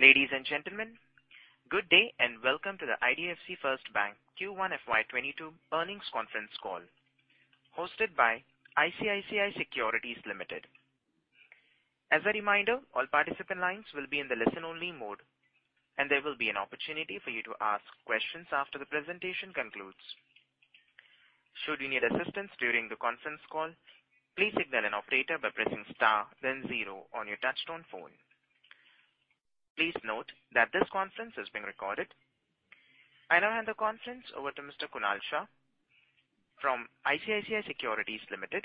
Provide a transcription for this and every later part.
Ladies and gentlemen, good day and welcome to the IDFC First Bank Q1 FY 2022 earnings conference call hosted by ICICI Securities Limited. As a reminder, all participant lines will be in the listen only mode, and there will be an opportunity for you to ask questions after the presentation concludes. Should you need assistance during the conference call, please signal an operator by pressing star then zero on your touch-tone phone. Please note that this conference is being recorded. I now hand the conference over to Mr. Kunal Shah from ICICI Securities Limited.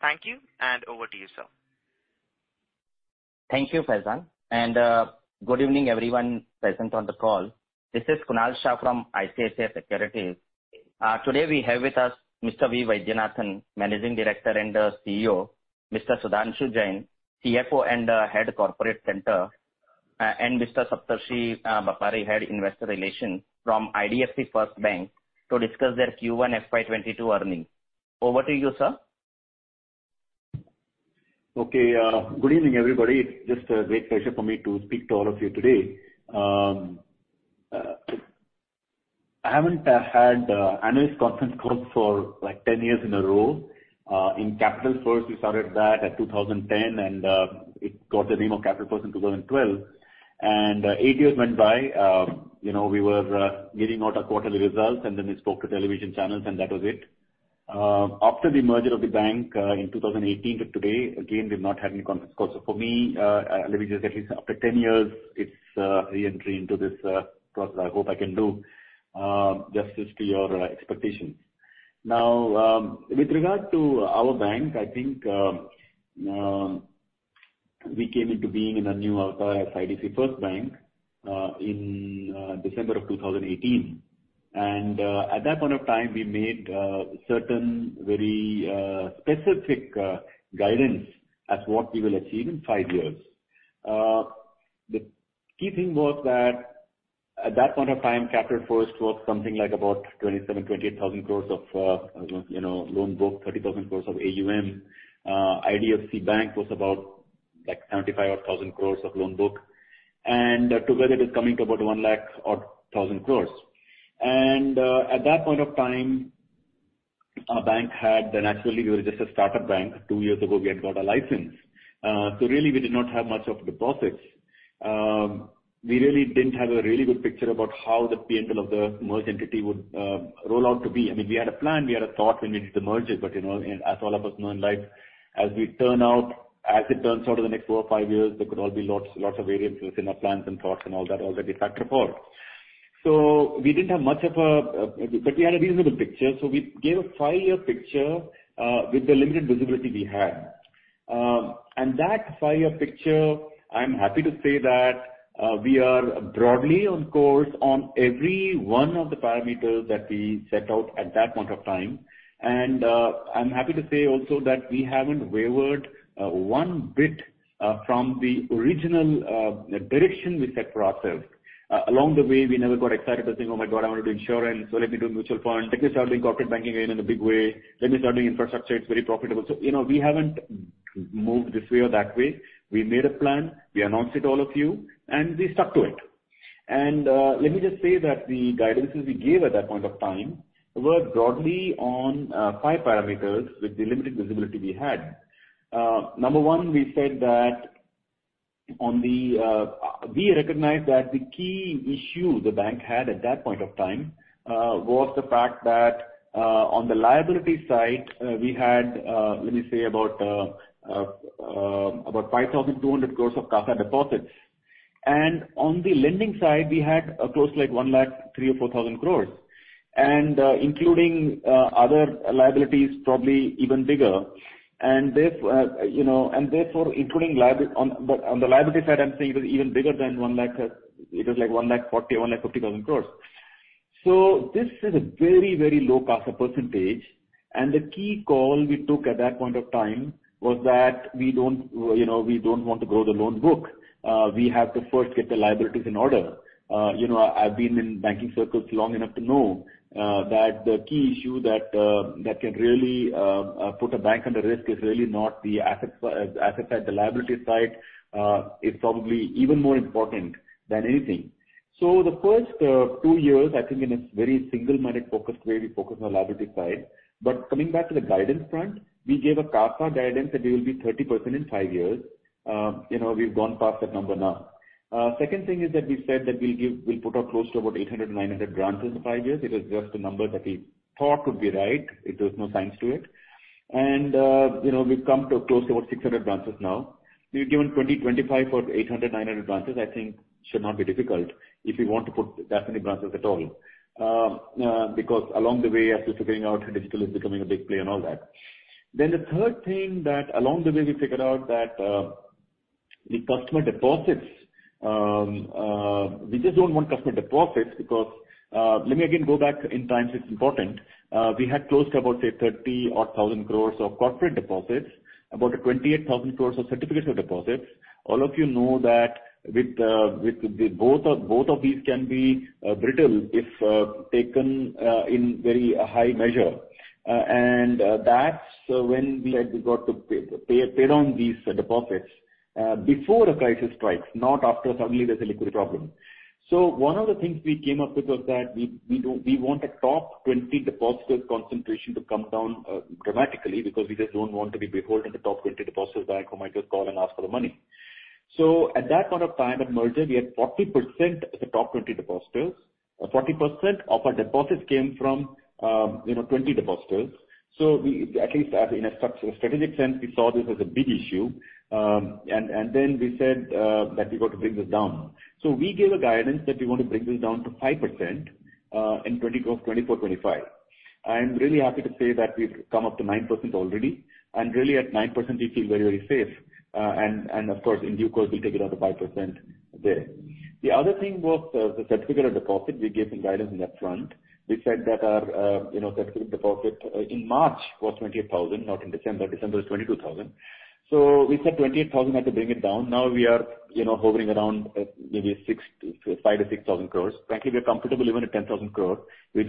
Thank you, and over to you, sir. Thank you, Faizan, and good evening everyone present on the call. This is Kunal Shah from ICICI Securities. Today we have with us Mr. V. Vaidyanathan, Managing Director and CEO, Mr. Sudhanshu Jain, CFO and Head of Corporate Centre, and Mr. Saptarshi Bapari, Head, Investor Relations from IDFC FIRST Bank to discuss their Q1 FY 2022 earnings. Over to you, sir. Okay. Good evening, everybody. Just a great pleasure for me to speak to all of you today. I haven't had analyst conference calls for 10 years in a row. In Capital First, we started that at 2010, it got the name of Capital First in 2012. Eight years went by. We were giving out our quarterly results and then we spoke to television channels, and that was it. After the merger of the bank in 2018 till today, again, we've not had any conference calls. For me, let me just at least after 10 years, it's re-entry into this process. I hope I can do justice to your expectations. Now, with regard to our bank, I think we came into being in a new avatar as IDFC First Bank in December of 2018. At that point of time, we made certain very specific guidance as what we will achieve in five years. The key thing was that at that point of time, Capital First was something like about 27,000, 28,000 crores of loan book, 30,000 crores of AUM. IDFC Bank was about 75,000 crores of loan book, and together it is coming to about 100,000 crores. At that point of time, we were just a startup bank. Two years ago, we had got a license. Really we didn't have much of deposits. We really didn't have a really good picture about how the P&L of the merged entity would roll out to be. I mean, we had a plan, we had a thought when we did the merger. As all of us know in life, as it turns out over the next four or five years, there could all be lots of variances in our plans and thoughts and all that already factored for. We didn't have much of a but we had a reasonable picture. We gave a five-year picture with the limited visibility we had. That five-year picture, I'm happy to say that we are broadly on course on every one of the parameters that we set out at that point of time. I'm happy to say also that we haven't wavered one bit from the original direction we set for ourselves. Along the way, we never got excited by saying, "Oh my God, I want to do insurance, so let me do mutual fund. Let me start doing corporate banking in a big way. Let me start doing infrastructure. It's very profitable." We haven't moved this way or that way. We made a plan, we announced it to all of you, and we stuck to it. Let me just say that the guidances we gave at that point of time were broadly on five parameters with the limited visibility we had. Number one, we recognized that the key issue the bank had at that point of time was the fact that on the liability side, we had, let me say about 5,200 crores of CASA deposits. On the lending side, we had close to like 100,000, 3,000 or 4,000 crores and including other liabilities probably even bigger. Therefore, including on the liability side, I'm saying it was even bigger than 100,000. It was like 140,000 or 150,000 crores. This is a very, very low CASA percentage. The key call we took at that point of time was that we don't want to grow the loan book. We have to first get the liabilities in order. I've been in banking circles long enough to know that the key issue that can really put a bank under risk is really not the asset side. The liability side is probably even more important than anything. The first two years, I think in a very single-minded, focused way, we focused on the liability side. Coming back to the guidance front, we gave a CASA guidance that we will be 30% in five years. We've gone past that number now. Second thing is that we said that we'll put out close to about 800-900 branches in five years. It was just a number that we thought would be right. It was no science to it. We've come to close to about 600 branches now. We've given 2025 for 800, 900 branches I think should not be difficult if we want to put that many branches at all. Along the way, as we're figuring out, digital is becoming a big play and all that. The third thing that along the way we figured out that the customer deposits, we just don't want customer deposits because let me again go back in time because it's important. We had close to about, say, 30,000 crores of corporate deposits, about 28,000 crores of certificate of deposits. All of you know that both of these can be brittle if taken in very high measure. That's when we had to pay down these deposits. Before a crisis strikes, not after suddenly there's a liquidity problem. One of the things we came up with was that we want a top 20 depositors concentration to come down dramatically because we just don't want to be beholden to top 20 depositors bank who might just call and ask for the money. At that point of time at merger, we had 40% as the top 20 depositors. 40% of our deposits came from 20 depositors. At least in a strategic sense, we saw this as a big issue. We said that we got to bring this down. We gave a guidance that we want to bring this down to 5% in 2024, 2025. I am really happy to say that we've come up to 9% already, and really at 9%, we feel very safe. Of course, in due course, we'll take it down to 5% there. The other thing was the certificate of deposit. We gave some guidance on that front. We said that our certificate of deposit in March was 28,000, not in December. December is 22,000. We said 28,000 had to bring it down. Now we are hovering around maybe 5,000 crore-6,000 crore. Frankly, we are comfortable even at 10,000 crore and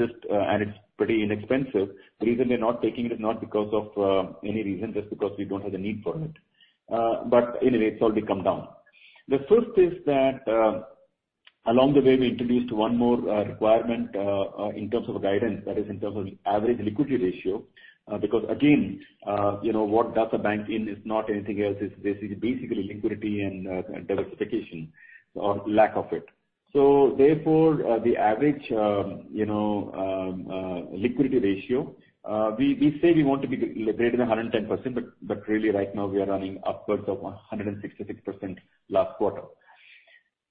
it's pretty inexpensive. The reason we are not taking it is not because of any reason, just because we don't have the need for it. Anyway, it's already come down. The first is that along the way, we introduced one more requirement in terms of guidance. That is in terms of average liquidity ratio. Again, what does a bank in is not anything else, is basically liquidity and diversification or lack of it. Therefore, the average liquidity ratio, we say we want to be greater than 110%, but really right now we are running upwards of 166% last quarter.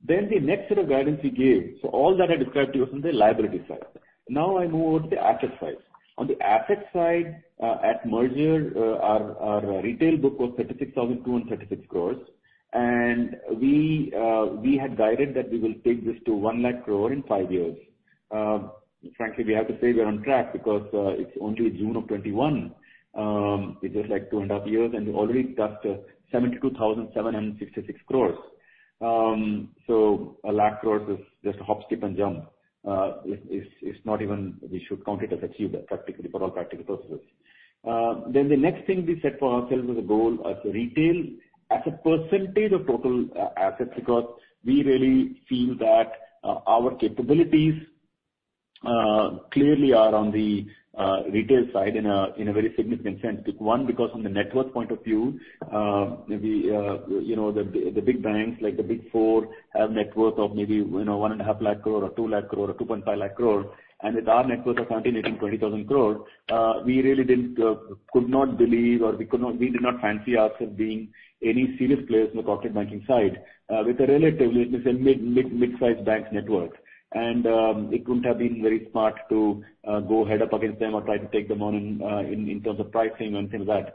The next set of guidance we gave. All that I described to you was on the liability side. Now I move over to the asset side. On the asset side, at merger, our retail book was 36,236 crores, and we had guided that we will take this to 1 lakh crore in five years. Frankly, we have to say we are on track because it's only June of 2021. It's just 2.5 years, and we already touched 72,766 crores. 1 lakh crores is just a hop, skip and jump. We should count it as achieved for all practical purposes. The next thing we set for ourselves as a goal as a retail, as a percentage of total assets because we really feel that our capabilities clearly are on the retail side in a very significant sense. One, because from the network point of view, maybe the big banks, like the big four, have network of maybe 1.5 lakh crore or 2 lakh crore or 2.5 lakh crore, and with our network of 17,000 crore, 18,000 crore, 20,000 crore, we really could not believe or we did not fancy ourselves being any serious players in the corporate banking side with a relatively mid-sized bank network. It couldn't have been very smart to go head up against them or try to take them on in terms of pricing and things like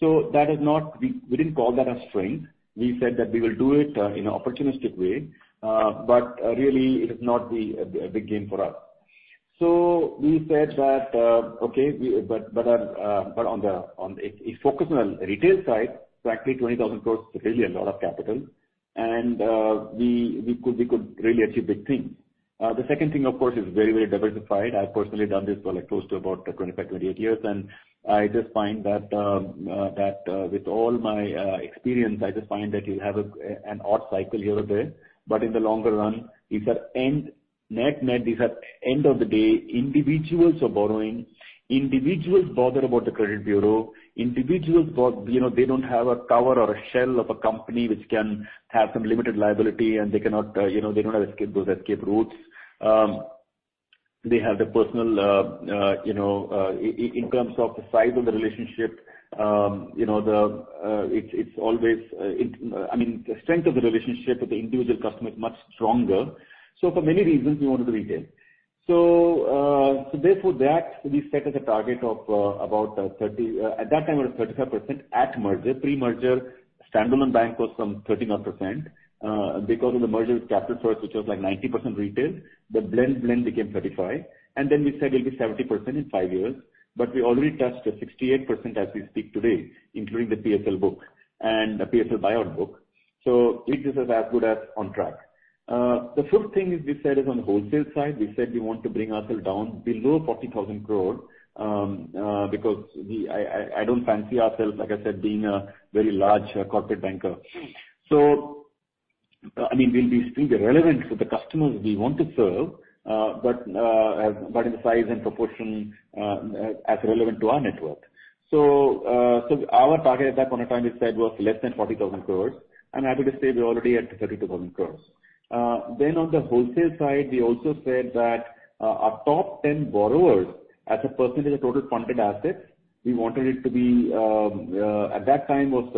that. We didn't call that a strength. We said that we will do it in an opportunistic way. Really it is not a big game for us. We said that, okay, if focused on retail side, frankly, 20,000 crore is really a lot of capital and we could really achieve big things. The second thing, of course, is very diversified. I've personally done this for close to about 25-28 years. I just find that with all my experience, I just find that you have an odd cycle here or there, in the longer run, these are end net. These are end of the day, individuals are borrowing, individuals bother about the credit bureau. Individuals, they don't have a cover or a shell of a company which can have some limited liability, they don't have escape routes. They have the personal, in terms of the size of the relationship, the strength of the relationship with the individual customer is much stronger. For many reasons, we wanted to retail. Therefore that we set as a target of about 30%. At that time, it was 35% at merger. Pre-merger, standalone bank was some 39%. Because of the merger with Capital First, which was like 90% retail, the blend became 35%. Then we said it'll be 70% in five years, but we already touched 68% as we speak today, including the PSL book and the PSL buyout book. It is as good as on track. The fourth thing is we said is on the wholesale side, we said we want to bring ourself down below 40,000 crore because I don't fancy ourselves, like I said, being a very large corporate banker. We'll still be relevant with the customers we want to serve, but in size and proportion as relevant to our network. Our target at that point of time we said was less than 40,000 crore and happy to say we're already at 32,000 crore. On the wholesale side, we also said that our top 10 borrowers as a percentage of total funded assets, we wanted it to be, at that time was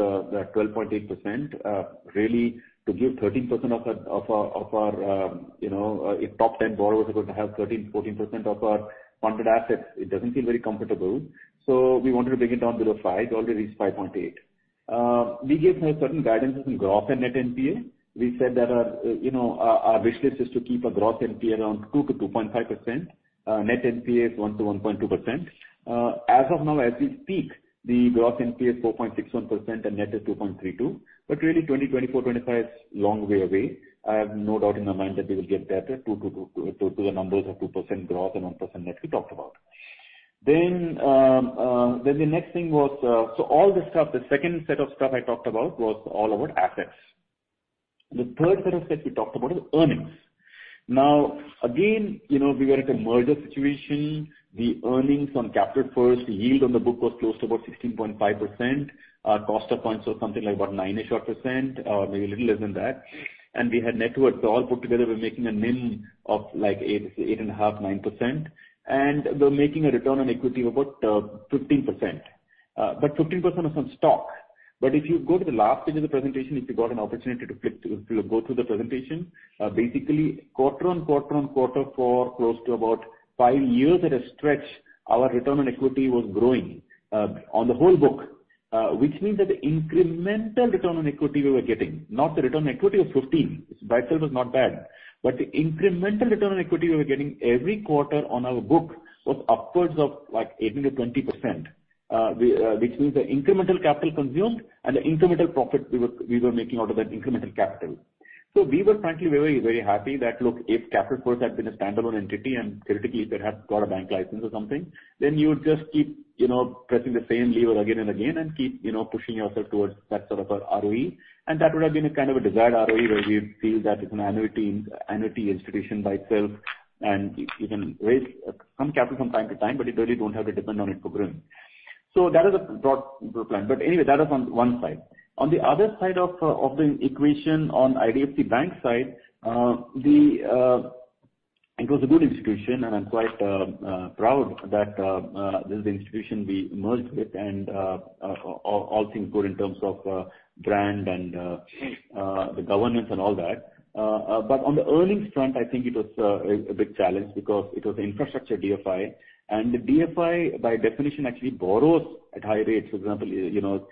12.8%, really to give 13% of our, if top 10 borrowers are going to have 13%-14% of our funded assets, it doesn't feel very comfortable. We wanted to bring it down below 5%, already reached 5.8%. We gave certain guidances in growth and net NPA. We said that our wish list is to keep our gross NPA around 2%-2.5%. Net NPA is 1%-1.2%. As of now, as we speak, the gross NPA is 4.61% and net is 2.32%. Really 2024, 2025 is long way away. I have no doubt in my mind that we will get there to the numbers of 2% gross and 1% net we talked about. The next thing was, all the stuff, the second set of stuff I talked about was all about assets. The third set of sets we talked about is earnings. Again, we were at a merger situation. The earnings on Capital First, the yield on the book was close to about 16.5%. Cost of funds was something like about 9%-ish odd, or maybe a little less than that. We had net worth all put together, we were making a NIM of 8.5%, 9%, and we were making a return on equity of about 15%. 15% was on stock. If you go to the last page of the presentation, if you got an opportunity to go through the presentation, basically quarter on quarter on quarter for close to about five years at a stretch, our return on equity was growing on the whole book, which means that the incremental return on equity we were getting, not the return on equity of 15%, which by itself was not bad. The incremental return on equity we were getting every quarter on our book was upwards of 18%-20%, which means the incremental capital consumed and the incremental profit we were making out of that incremental capital. We were frankly very, very happy that, look, if Capital First had been a standalone entity and theoretically if it had got a bank license or something, then you would just keep pressing the same lever again and again and keep pushing yourself towards that sort of a ROE. That would have been a kind of a desired ROE where we feel that it's an annuity institution by itself, and you can raise some capital from time to time, but you really don't have to depend on it for growth. That is a broad plan. Anyway, that is on one side. On the other side of the equation on IDFC Bank side, it was a good institution, and I'm quite proud that this is the institution we merged with and all things good in terms of brand and the governance and all that. On the earnings front, I think it was a big challenge because it was an infrastructure DFI, and the DFI, by definition, actually borrows at high rates. For example,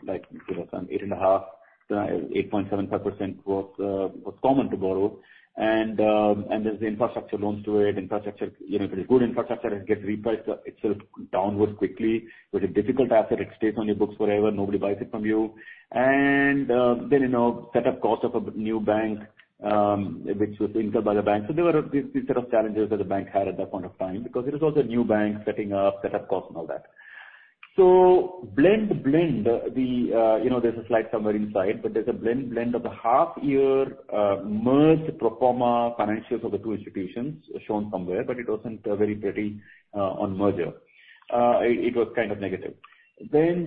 like 8.5%, 8.75% was common to borrow. There's the infrastructure loans to it. If it is good infrastructure, it gets repriced itself downward quickly. If it's a difficult asset, it stays on your books forever, nobody buys it from you. Set up cost of a new bank, which was incurred by the bank. There were these set of challenges that the bank had at that point of time because it was also a new bank, setting up, set up cost and all that. Blend, there's a slide somewhere inside, but there's a blend of the half-year merged pro forma financials of the two institutions shown somewhere, but it wasn't very pretty on merger. It was kind of negative. From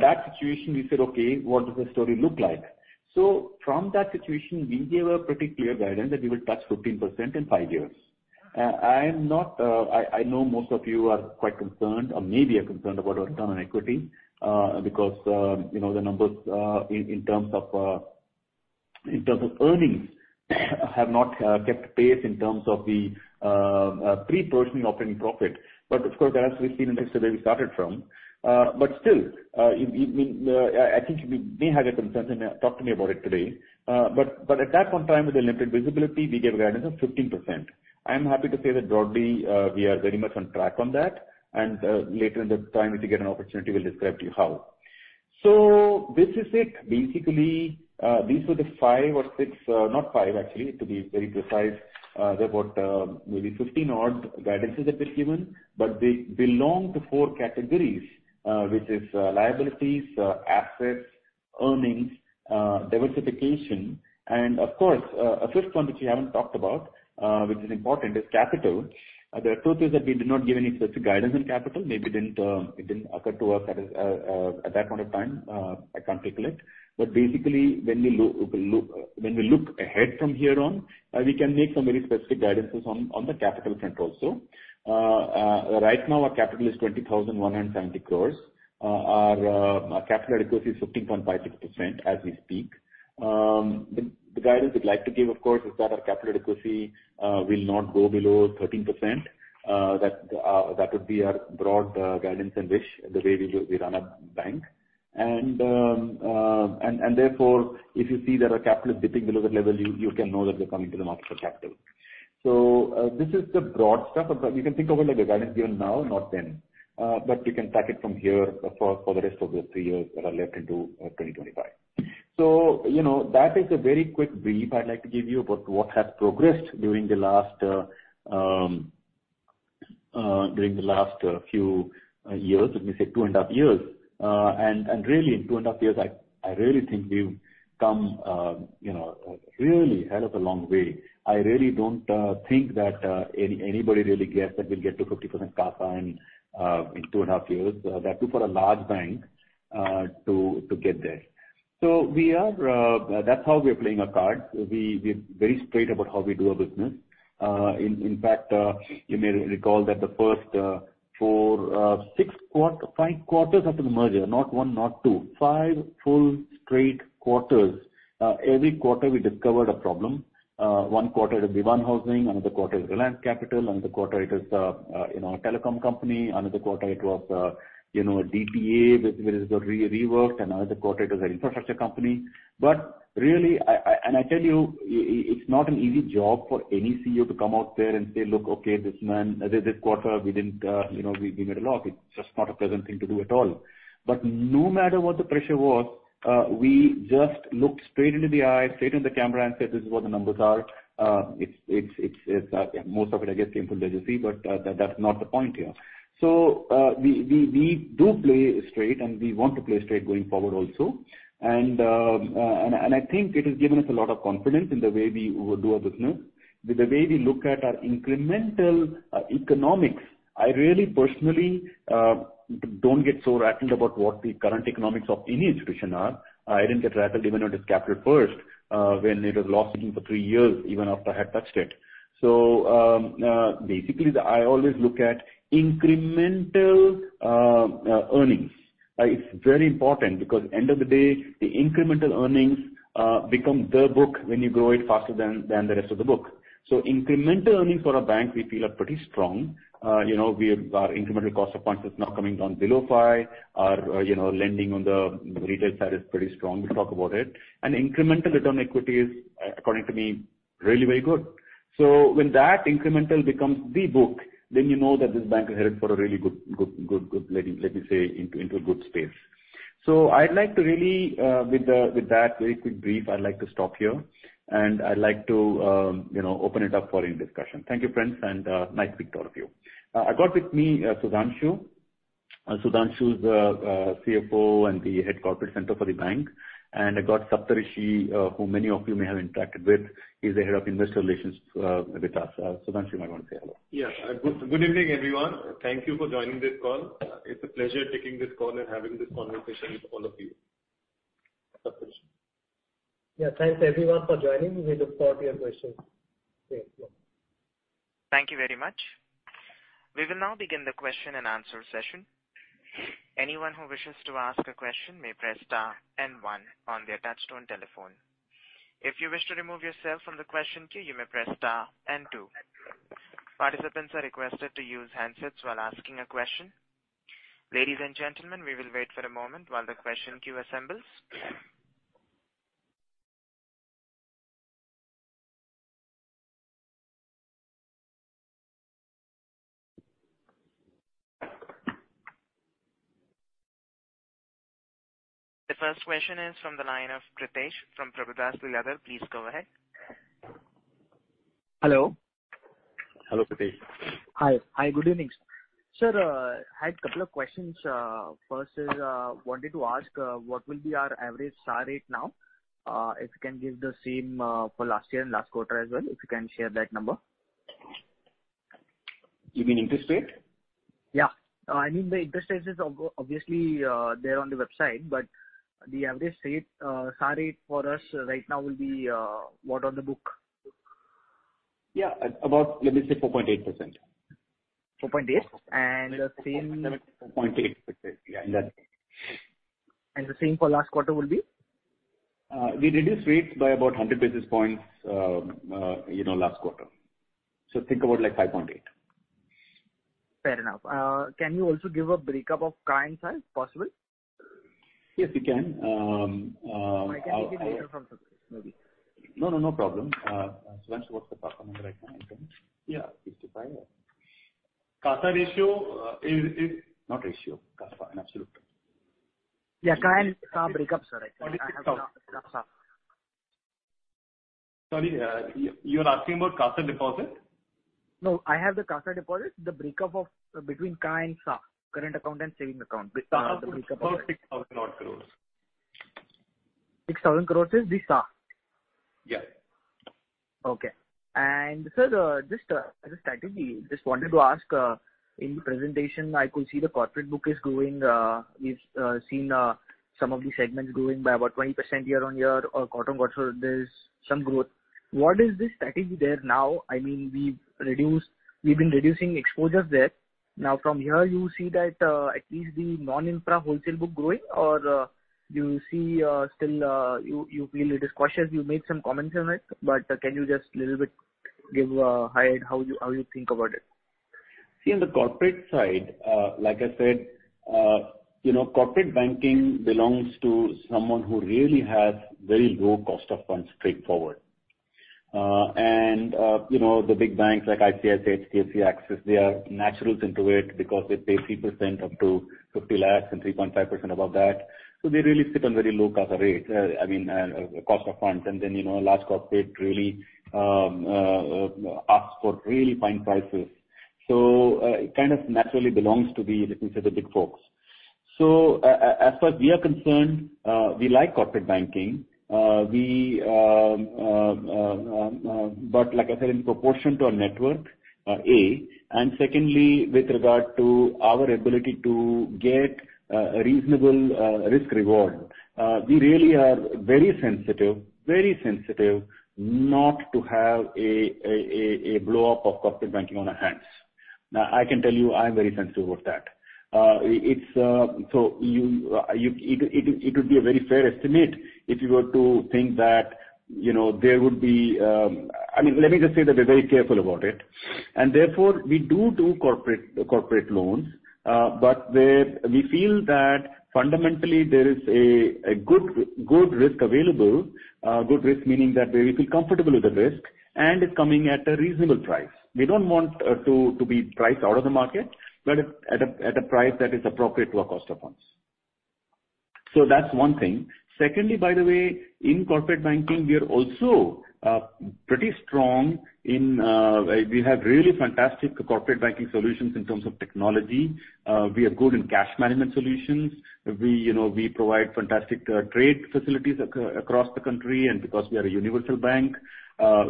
that situation, we said, "Okay, what does the story look like?" From that situation, we gave a pretty clear guidance that we will touch 15% in five years. I know most of you are quite concerned or maybe are concerned about our return on equity, because the numbers in terms of earnings have not kept pace in terms of the pre-provision operating profit. Of course, as we've seen in history, where we started from. Still, I think we may have your concerns and talk to me about it today. At that point of time with the limited visibility, we gave a guidance of 15%. I am happy to say that broadly, we are very much on track on that and later in the time, if we get an opportunity, we'll describe to you how. This is it. These were the five or six, not five, actually, to be very precise. There were about maybe 15-odd guidances that were given, but they belong to four categories, which is liabilities, assets, earnings, diversification. Of course, a fifth one, which we haven't talked about, which is important, is capital. The truth is that we did not give any specific guidance on capital. Maybe it didn't occur to us at that point of time. I can't recollect. Basically, when we look ahead from here on, we can make some very specific guidances on the capital front also. Right now, our capital is 20,170 crores. Our capital adequacy is 15.56% as we speak. The guidance we'd like to give, of course, is that our capital adequacy will not go below 13%. That would be our broad guidance and wish, the way we run a bank. Therefore, if you see that our capital is dipping below that level, you can know that we are coming to the market for capital. This is the broad stuff. You can think of it like a guidance given now, not then. You can track it from here for the rest of the three years that are left into 2025. That is a very quick brief I'd like to give you about what has progressed during the last few years, let me say two and a half years. Really in two and a half years, I really think we've come really hell of a long way. I really don't think that anybody really guessed that we'll get to 50% CASA in 2.5 years. That too, for a large bank to get there. That's how we are playing our cards. We're very straight about how we do our business. In fact, you may recall that the first four, six, five quarters after the merger, not one, not two, five full straight quarters, every quarter we discovered a problem. One quarter it was Dewan Housing, another quarter it was Reliance Capital, another quarter it is a telecom company, another quarter it was a DTA which got reworked, another quarter it was an infrastructure company. Really, I tell you, it's not an easy job for any CEO to come out there and say, "Look, okay, this man, this quarter we made a loss." It's just not a pleasant thing to do at all. No matter what the pressure was, we just looked straight into the eye, straight in the camera and said, "This is what the numbers are." Most of it, I guess, came from legacy, but that's not the point here. We do play straight and we want to play straight going forward also. I think it has given us a lot of confidence in the way we would do our business. With the way we look at our incremental economics, I really personally don't get so rattled about what the current economics of any institution are. I didn't get rattled even with Capital First when it was loss-making for three years, even after I had touched it. Basically, I always look at incremental earnings. It's very important because at the end of the day, the incremental earnings become the book when you grow it faster than the rest of the book. Incremental earnings for a bank, we feel, are pretty strong. Our incremental cost of funds is now coming down below 5. Our lending on the retail side is pretty strong, we'll talk about it. Incremental return equity is, according to me, really very good. When that incremental becomes the book, then you know that this bank is headed for a really good, let me say, into a good space. I'd like to really, with that very quick brief, I'd like to stop here and I'd like to open it up for a discussion. Thank you, friends, and nice to talk to you. I've got with me Sudhanshu. Sudhanshu is the CFO and the Head Corporate Centre for the bank. I've got Saptarshi, who many of you may have interacted with. He's the Head of Investor Relations with us. Sudhanshu, you might want to say hello. Yes. Good evening, everyone. Thank you for joining this call. It's a pleasure taking this call and having this conversation with all of you. Saptarshi? Yes. Thanks, everyone, for joining. We look forward to your questions. Thank you. Thank you very much. We will now begin the question and answer session. Anyone who wishes to ask a question may press star and one on their touch-tone telephone. If you wish to remove yourself from the question queue, you may press star and two. Participants are requested to use handsets while asking a question. Ladies and gentlemen, we will wait for a moment while the question queue assembles. The first question is from the line of Pritesh from Prabhudas Lilladher. Please go ahead. Hello. Hello, Pritesh. Hi. Good evening. Sir, I had couple of questions. First is, I wanted to ask what will be our average SA rate now? If you can give the same for last year and last quarter as well, if you can share that number. You mean interest rate? Yeah. I mean the interest rates is obviously there on the website, the average rate, SA rate for us right now will be what on the book? Yeah. About, let me say, 4.8%. 4.8%? And the same. 4.8%. Yeah. The same for last quarter will be? We reduced rates by about 100 basis points last quarter. Think about 5.8. Fair enough. Can you also give a breakup of CA and SA, possible? Yes, we can. I can take it later from Saptarshi maybe. No problem. Sudhanshu, what's the CASA number right now? Yeah. 65. CASA ratio is. Not ratio. CASA in absolute terms. Yeah. CA and SA breakup, sir. I have the SA. Sorry. You're asking about CASA deposit? No, I have the CASA deposit. The breakup between CA and SA, current account and savings account, the breakup of it. About 6,000 odd crores. INR 6,000 crores is the SA? Yes. Okay. Sir, just strategy. Just wanted to ask, in the presentation, I could see the corporate book is growing. We've seen some of the segments growing by about 20% year on year or quarter on quarter. There's some growth. What is the strategy there now? We've been reducing exposures there. From here you see that at least the non-infra wholesale book growing or do you see still, you feel it is cautious? You made some comments on it, but can you just little bit give a high how you think about it? See, in the corporate side, like I said, corporate banking belongs to someone who really has very low cost of funds straightforward. The big banks like ICICI, HDFC, Axis, they are naturals into it because they pay 3% up to 50 lakhs and 3.5% above that. They really sit on very low CASA rate. I mean, cost of funds. Large corporate really asks for really fine prices. It kind of naturally belongs to the, let me say, the big folks. As far as we are concerned, we like corporate banking. Like I said, in proportion to our network. Secondly, with regard to our ability to get a reasonable risk reward. We really are very sensitive not to have a blow-up of corporate banking on our hands. Now, I can tell you I'm very sensitive about that. It would be a very fair estimate if you were to think that. Let me just say that we're very careful about it, and therefore, we do corporate loans. We feel that fundamentally there is a good risk available. Good risk meaning that we feel comfortable with the risk, and it's coming at a reasonable price. We don't want to be priced out of the market, but at a price that is appropriate to our cost of funds. That's one thing. Secondly, by the way, in corporate banking, we are also pretty strong. We have really fantastic corporate banking solutions in terms of technology. We are good in cash management solutions. We provide fantastic trade facilities across the country, and because we are a universal bank,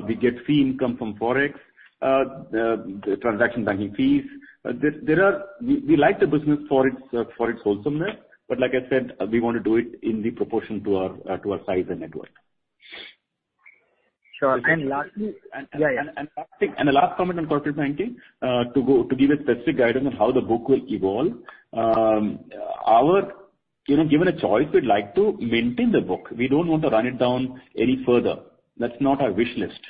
we get fee income from Forex, the transaction banking fees. We like the business for its wholesomeness, but like I said, we want to do it in the proportion to our size and network. Sure. Lastly, yeah. The last comment on corporate banking, to give a specific guidance on how the book will evolve. Given a choice, we'd like to maintain the book. We don't want to run it down any further. That's not our wish list.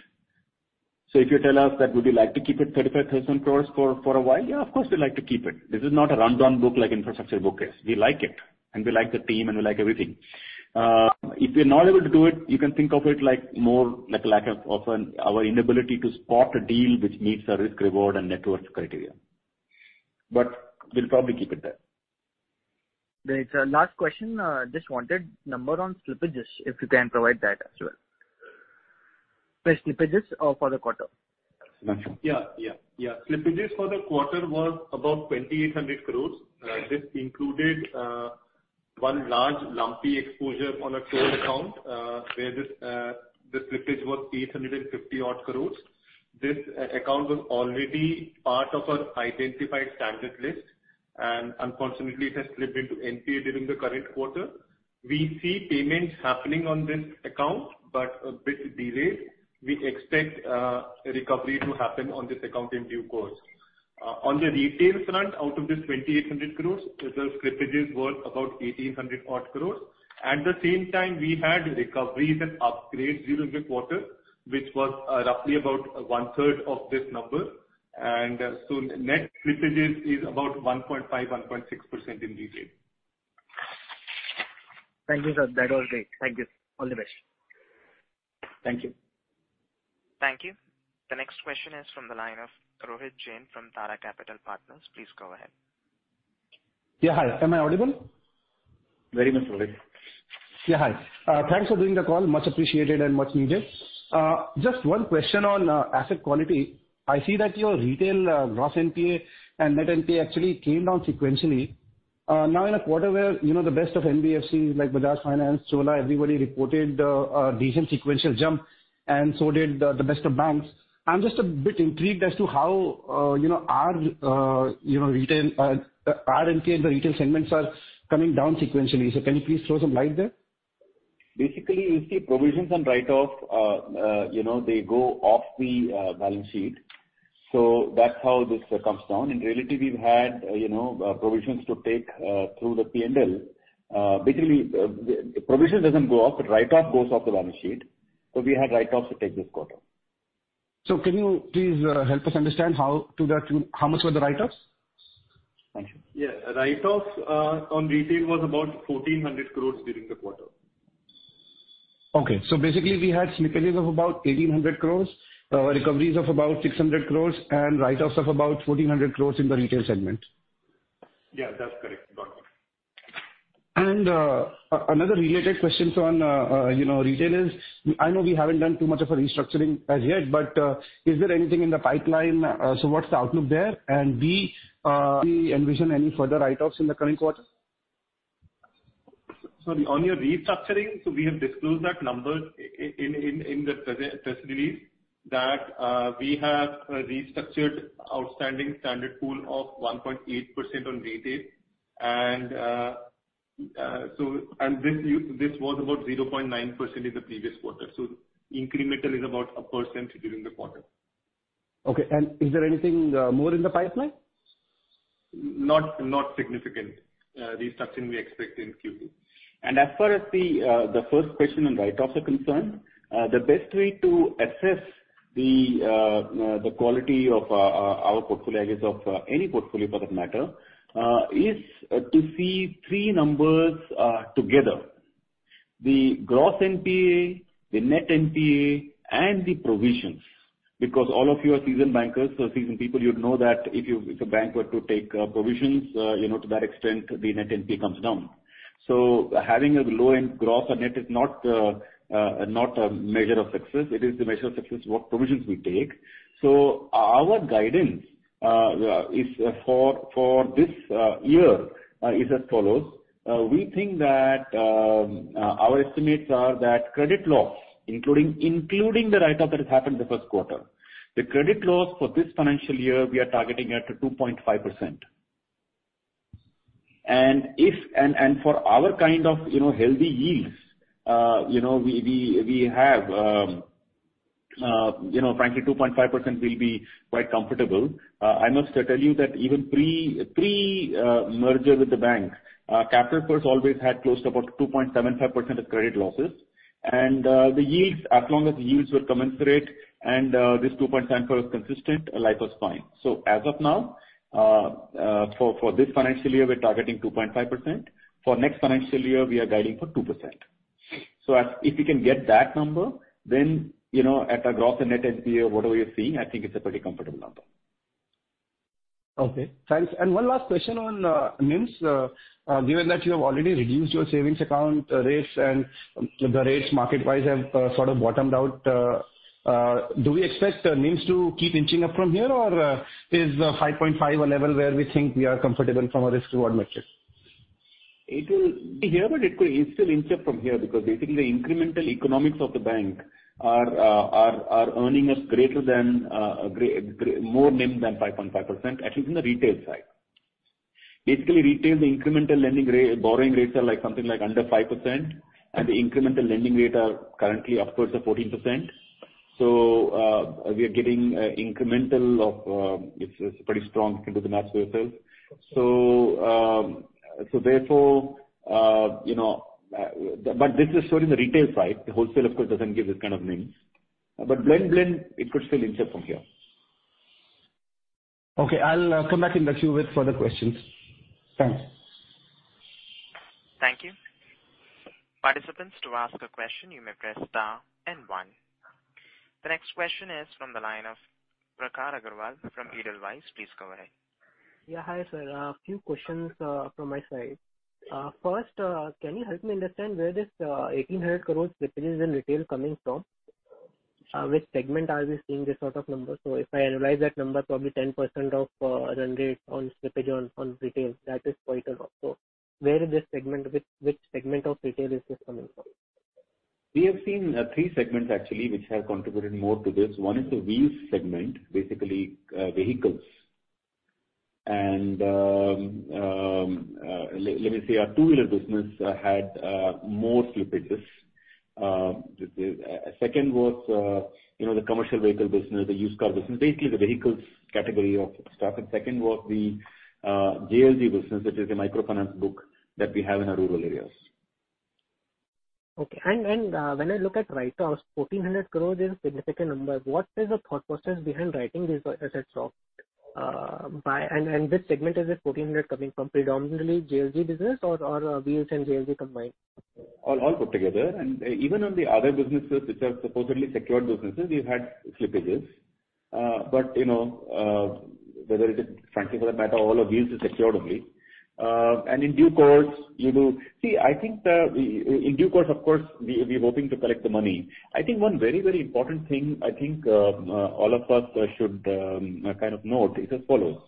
If you tell us that, would we like to keep it 35,000 crore for a while? Yeah, of course, we'd like to keep it. This is not a rundown book like infrastructure book is. We like it, and we like the team, and we like everything. If we're not able to do it, you can think of it like our inability to spot a deal which meets our risk, reward, and networks criteria. We'll probably keep it there. There is a last question. Just wanted number on slippages, if you can provide that as well. By slippages, for the quarter. Slippages for the quarter was about 2,800 crore. This included one large lumpy exposure on a total account, where the slippage was 850 odd crore. This account was already part of our identified standard list. Unfortunately, it has slipped into NPA during the current quarter. We see payments happening on this account, but a bit delayed. We expect recovery to happen on this account in due course. On the retail front, out of this 2,800 crore, the slippages were about 1,800 odd crore. At the same time, we had recoveries and upgrades during the quarter, which was roughly about one-third of this number. Net slippages is about 1.5%, 1.6% in retail. Thank you, sir. That was great. Thank you. All the best. Thank you. Thank you. The next question is from the line of Rohit Jain from Tara Capital Partners. Please go ahead. Yeah. Hi. Am I audible? Very much, Rohit. Yeah. Hi. Thanks for doing the call, much appreciated and much needed. Just one question on asset quality. I see that your retail gross NPA and net NPA actually came down sequentially. In a quarter where the best of NBFCs, like Bajaj Finance, Chola, everybody reported a decent sequential jump, and so did the best of banks. I'm just a bit intrigued as to how our NPA in the retail segments are coming down sequentially. Can you please throw some light there? Basically, you see provisions and write-off, they go off the balance sheet. That's how this comes down. In reality, we've had provisions to take through the P&L. Basically, the provision doesn't go off, but write-off goes off the balance sheet, so we had write-offs to take this quarter. Can you please help us understand how much were the write-offs? Thank you. Yeah. Write-off on retail was about 1,400 crores during the quarter. Okay. Basically, we had slippages of about 1,800 crores, recoveries of about 600 crores, and write-offs of about 1,400 crores in the retail segment. Yeah, that's correct. Got it. Another related question on retail is, I know we haven't done too much of a restructuring as yet, but is there anything in the pipeline? What's the outlook there? B, do we envision any further write-offs in the current quarter? On your restructuring, we have disclosed that number in the press release that we have restructured outstanding standard pool of 1.8% on retail, and this was about 0.9% in the previous quarter. Incremental is about 1% during the quarter. Okay. Is there anything more in the pipeline? Not significant restructuring we expect in Q2. As far as the first question on write-offs are concerned, the best way to assess the quality of our portfolio, I guess of any portfolio for that matter, is to see three numbers together. The gross NPA, the net NPA, and the provisions. All of you are seasoned bankers, so seasoned people, you'd know that if a bank were to take provisions, to that extent, the net NPA comes down. Having a low-end gross or net is not a measure of success. It is the measure of success what provisions we take. Our guidance for this year is as follows. Our estimates are that credit loss, including the write-off that has happened in the first quarter. The credit loss for this financial year, we are targeting at 2.5%. For our kind of healthy yields, frankly, 2.5% will be quite comfortable. I must tell you that even pre-merger with the bank, Capital First always had close to about 2.75% of credit losses. As long as the yields were commensurate and this 2.75% was consistent, life was fine. As of now, for this financial year, we're targeting 2.5%. For next financial year, we are guiding for 2%. If we can get that number, at a gross and net NPA or whatever you're seeing, I think it's a pretty comfortable number. Okay, thanks. One last question on NIMs. Given that you have already reduced your savings account rates and the rates market-wise have sort of bottomed out, do we expect NIMs to keep inching up from here? Is 5.5% a level where we think we are comfortable from a risk reward metric? It will be here, but it could still inch up from here because basically the incremental economics of the bank are earning us more NIM than 5.5%, at least in the retail side. Basically, retail, the incremental borrowing rates are something like under 5%, and the incremental lending rate are currently upwards of 14%. We are getting incremental of, it's pretty strong, you can do the math yourself. This is showing the retail side. The wholesale, of course, doesn't give this kind of NIM. Blend, it could still inch up from here. Okay. I'll come back in the queue with further questions. Thanks. Thank you. The next question is from the line of Prakhar Agarwal from Edelweiss. Please go ahead. Hi, sir. A few questions from my side. First, can you help me understand where this INR 1,800 crore slippage in retail coming from? Which segment are we seeing this sort of number? If I analyze that number, probably 10% of run rate on slippage on retail, that is quite a lot. Where is this segment, which segment of retail is this coming from? We have seen three segments actually, which have contributed more to this. One is the wheels segment, basically, vehicles. Let me say our two-wheeler business had more slippages. Second was the commercial vehicle business, the used car business, basically the vehicles category of stuff. Second was the JLG business, which is a microfinance book that we have in our rural areas. Okay. When I look at write-offs, 1,400 crores is a significant number. What is the thought process behind writing these assets off? Which segment is this 1,400 coming from? Predominantly JLG business or wheels and JLG combined? All put together. Even on the other businesses, which are supposedly secured businesses, we've had slippages. Whether is it, frankly, for that matter, all of wheels is secured only. See, I think in due course, of course, we're hoping to collect the money. I think one very important thing I think all of us should note is as follows.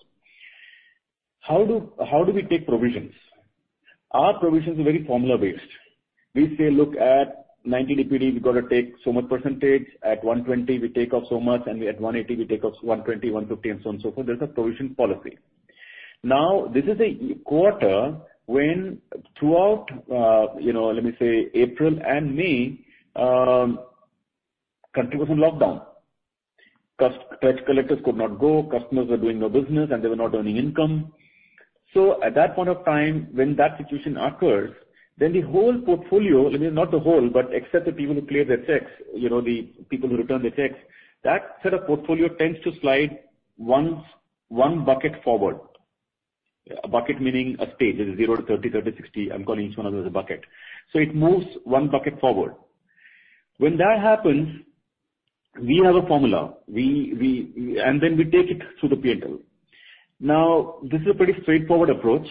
How do we take provisions? Our provisions are very formula-based. We say, look at 90 DPD, we got to take so much percentage. At 120, we take off so much, and at 180, we take off 120, 150, and so on, so forth. There's a provision policy. Now, this is a quarter when throughout, let me say, April and May, country was on lockdown. Debt collectors could not go, customers were doing no business, and they were not earning income. At that point of time when that situation occurs, then the whole portfolio, I mean, not the whole, but except the people who cleared their checks, the people who returned the checks, that set of portfolio tends to slide one bucket forward. A bucket meaning a stage, 0-30, 60. I'm calling each one of those a bucket. It moves one bucket forward. When that happens, we have a formula and then we take it to the P&L. This is a pretty straightforward approach,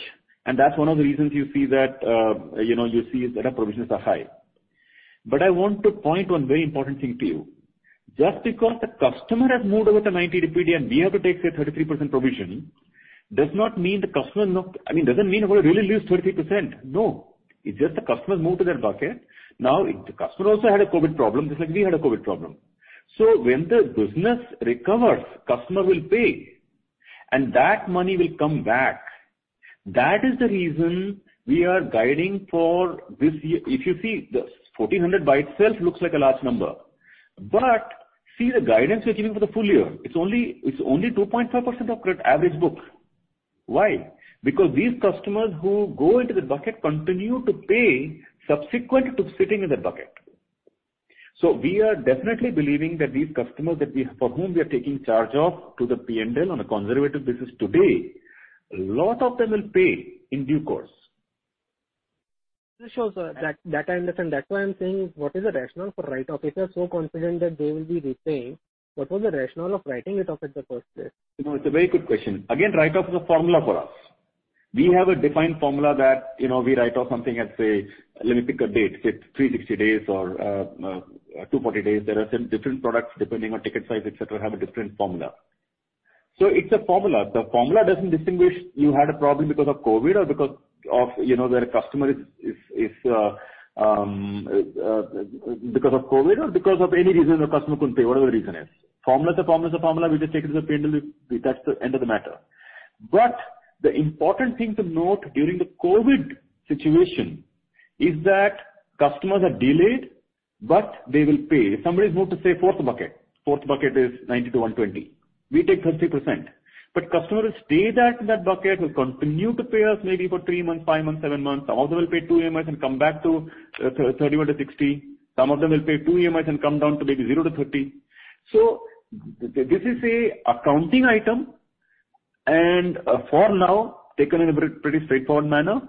and that's one of the reasons you see that our provisions are high. I want to point one very important thing to you. Just because the customer has moved over to 90 DPD and we have to take, say, 33% provision, doesn't mean we're going to really lose 33%. No. It's just the customer moved to that bucket. The customer also had a COVID problem just like we had a COVID problem. When the business recovers, customer will pay, and that money will come back. That is the reason we are guiding for this year. If you see, this 1,400 by itself looks like a large number. See the guidance we are giving for the full year. It's only 2.4% of average book. Why? These customers who go into the bucket continue to pay subsequent to sitting in that bucket. We are definitely believing that these customers for whom we are taking charge of to the P&L on a conservative basis today, a lot of them will pay in due course. Sure, sir. That I understand. That's why I'm saying is what is the rationale for write-off? If you are so confident that they will be repaying, what was the rationale of writing it off at the first place? It's a very good question. Write-off is a formula for us. We have a defined formula that we write off something at 360 days or 240 days. There are some different products, depending on ticket size, et cetera, have a different formula. It's a formula. The formula doesn't distinguish you had a problem because of COVID, or because of any reason the customer couldn't pay, whatever the reason is. Formula is a formula is a formula. We just take it as a P&L. That's the end of the matter. The important thing to note during the COVID situation is that customers are delayed, but they will pay. If somebody has moved to 4th bucket. 4th bucket is 90 to 120. We take 30%. Customer will stay back in that bucket, will continue to pay us maybe for three months, five months, seven months. Some of them will pay to EMIs and come back to 30 or to 60. Some of them will pay two EMIs and come down to maybe 0 to 30. This is an accounting item, and for now, taken in a pretty straightforward manner.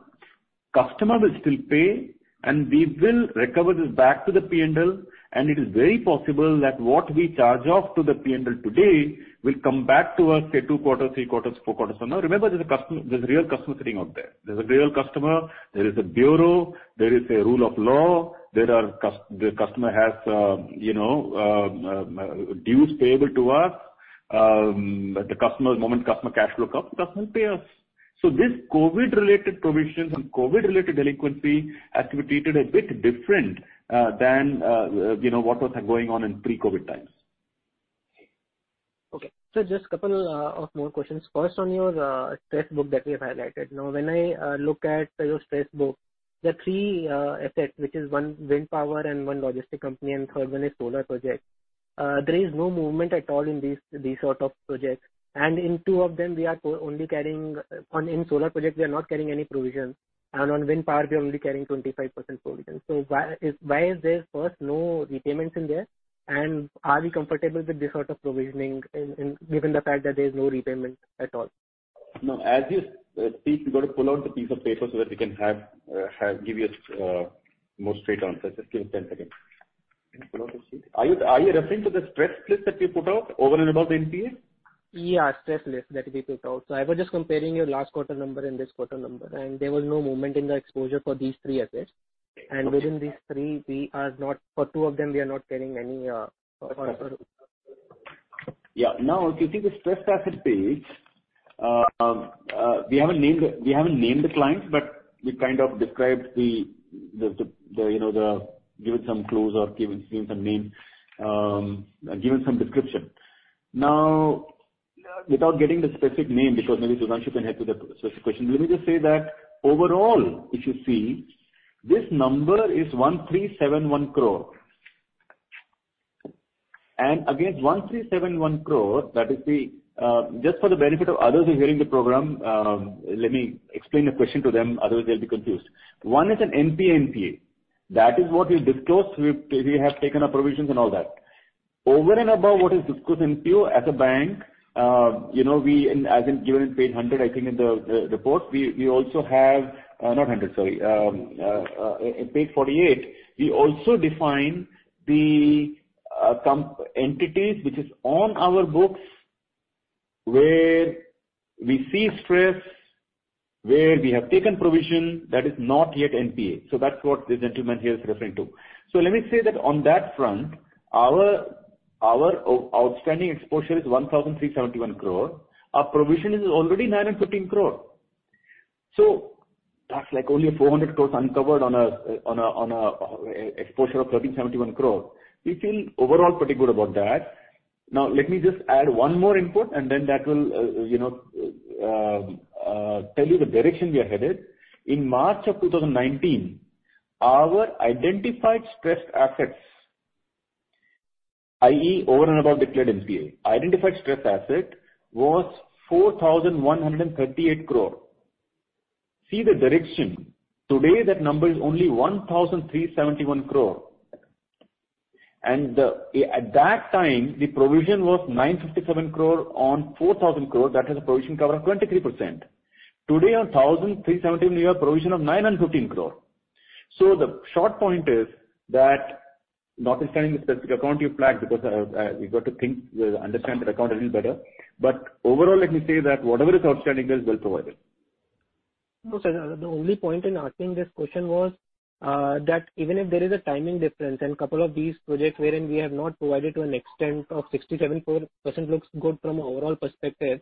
Customer will still pay, and we will recover this back to the P&L, and it is very possible that what we charge off to the P&L today will come back to us, say, two quarters, three quarters, four quarters from now. Remember, there's a real customer sitting out there. There's a real customer, there is a bureau, there is a rule of law. The customer has dues payable to us. The moment customer cash flow comes, customer will pay us. This COVID-related provisions and COVID-related delinquency has to be treated a bit different than what was going on in pre-COVID times. Okay. Sir, just two more questions. First, on your stress book that we have highlighted. Now, when I look at your stress book, the three assets, which is one wind power and one logistic company, and third one is solar project. There is no movement at all in these sort of projects. In two of them, in solar projects, we are not carrying any provisions, and on wind power, we are only carrying 25% provision. Why is there, first, no repayments in there? Are we comfortable with this sort of provisioning, given the fact that there is no repayment at all? No. We've got to pull out the piece of paper so that we can give you a more straight answer. Just give me 10 seconds. Can you pull out the sheet? Are you referring to the stress list that we put out over and above the NPA? Yeah, stress list that we put out. I was just comparing your last quarter number and this quarter number, and there was no movement in the exposure for these three assets. Okay. Within these three, for two of them, we are not carrying any. Yeah. If you see the stress asset page, we haven't named the clients, but we kind of given some clues or given some names, and given some description. Without getting the specific name, because maybe Mr. Sudhanshu can help with that specific question, let me just say that overall, if you see, this number is 1,371 crore. Against 1,371 crore, just for the benefit of others who are hearing the program, let me explain the question to them, otherwise they'll be confused. One is an NPA, that is what we disclose. We have taken our provisions and all that. Over and above what is disclosed in pure as a bank, as in given in page 100, I think in the report, we also have. Not 100, sorry. In page 48, we also define the entities which is on our books, where we see stress, where we have taken provision that is not yet NPA. That's what this gentleman here is referring to. Let me say that on that front, our outstanding exposure is 1,371 crore. Our provision is already 915 crore. That's like only 400 crore uncovered on a exposure of 1,371 crore. We feel overall pretty good about that. Now let me just add one more input and then that will tell you the direction we are headed. In March of 2019, our identified stressed assets, i.e., over and above declared NPA, identified stressed asset was 4,138 crore. See the direction. Today, that number is only 1,371 crore, and at that time, the provision was 957 crore on 4,000 crore. That is a provision cover of 23%. Today, on 1,370, we have a provision of 915 crore. The short point is that not understanding the specific account you flagged because we understand that account a little better, overall, let me say that whatever is outstanding there is well provided. No, sir. The only point in asking this question was that even if there is a timing difference and couple of these projects wherein we have not provided to an extent of 67% looks good from overall perspective,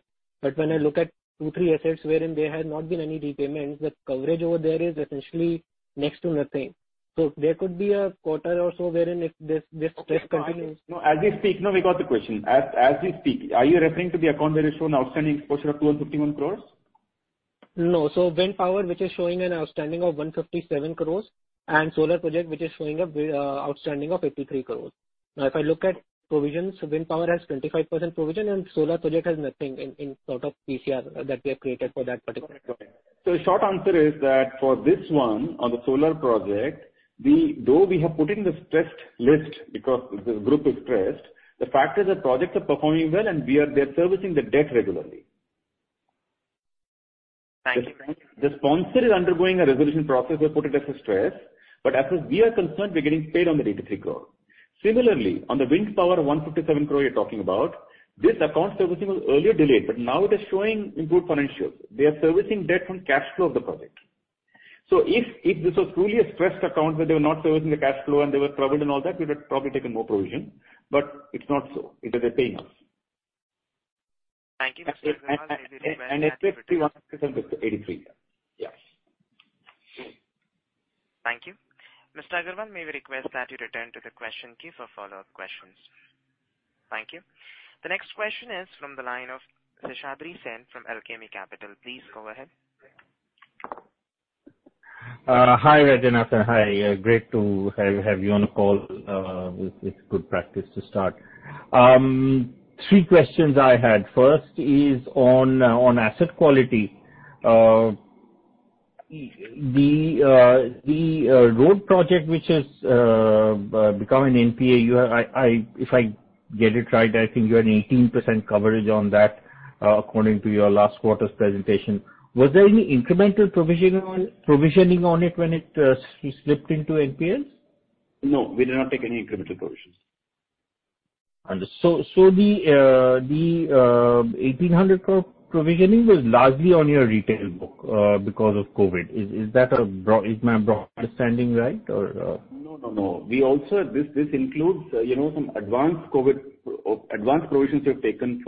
when I look at two, three assets wherein there has not been any repayments, the coverage over there is essentially next to nothing. There could be a quarter or so wherein if this stress continues. No, we got the question. As we speak, are you referring to the account where you've shown outstanding exposure of 251 crores? No. Wind power, which is showing an outstanding of 157 crore, and solar project, which is showing a outstanding of 83 crore. If I look at provisions, wind power has 25% provision and solar project has nothing in sort of PCR that we have created for that particular project. The short answer is that for this one, on the solar project, though we have put in the stressed list because the group is stressed, the fact is that projects are performing well, and they are servicing the debt regularly. Thank you. The sponsor is undergoing a resolution process, we've put it as a stress. As we are concerned, we're getting paid on the 83 crore. Similarly, on the wind power of 157 crore you're talking about, this account servicing was earlier delayed, but now it is showing improved financials. They are servicing debt from cash flow of the project. If this was truly a stressed account where they were not servicing the cash flow and they were troubled and all that, we would have probably taken more provision, but it's not so. They're paying us. Thank you. It's 83, yeah. Thank you. Mr. Agarwal, may we request that you return to the question queue for follow-up questions? Thank you. The next question is from the line of Seshadri Sen from Alchemy Capital. Please go ahead. Hi, [Rajan]. Hi. Great to have you on the call. It's good practice to start. Three questions I had. First is on asset quality. The road project which has become an NPA, if I get it right, I think you had an 18% coverage on that. According to your last quarter's presentation, was there any incremental provisioning on it when it slipped into NPAs? No, we did not take any incremental provisions. Understood. The 1,800 provisioning was largely on your retail book because of COVID. Is my broad understanding right? No. This includes some advance COVID provisions we have taken.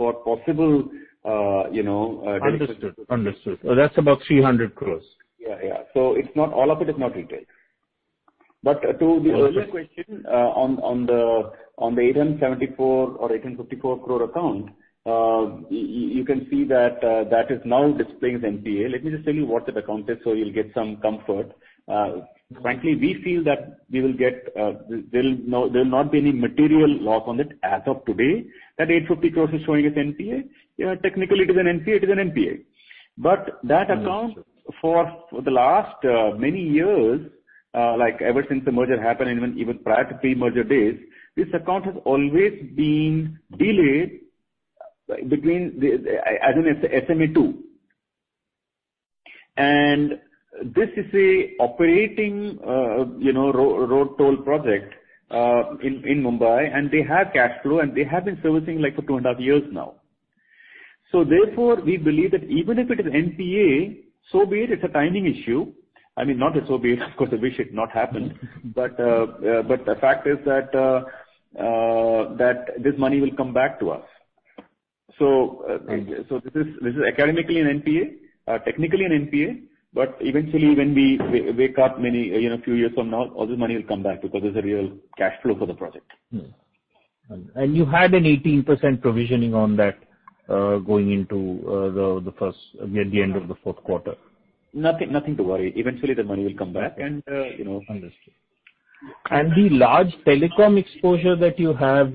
Understood. That's about 300 crores. All of it is not retail. To the earlier question on the 874 or 854 crore account, you can see that now displays NPA. Let me just tell you what that account is so you'll get some comfort. Frankly, we feel that there will not be any material loss on it as of today. That 850 crore is showing as NPA. Technically, it is an NPA. That account for the last many years, ever since the merger happened and even prior to pre-merger days, this account has always been delayed as an SMA 2. This is an operating road toll project in Mumbai and they have cash flow, and they have been servicing for 2.5 years now. Therefore, we believe that even if it is NPA, so be it's a timing issue. I mean, not so be it. Of course, we wish it not happen. The fact is that this money will come back to us. Right. This is academically an NPA, technically an NPA, but eventually when we wake up a few years from now, all this money will come back because there is a real cash flow for the project. You had an 18% provisioning on that going into the end of the fourth quarter. Nothing to worry. Eventually, the money will come back. Understood. The large telecom exposure that you have,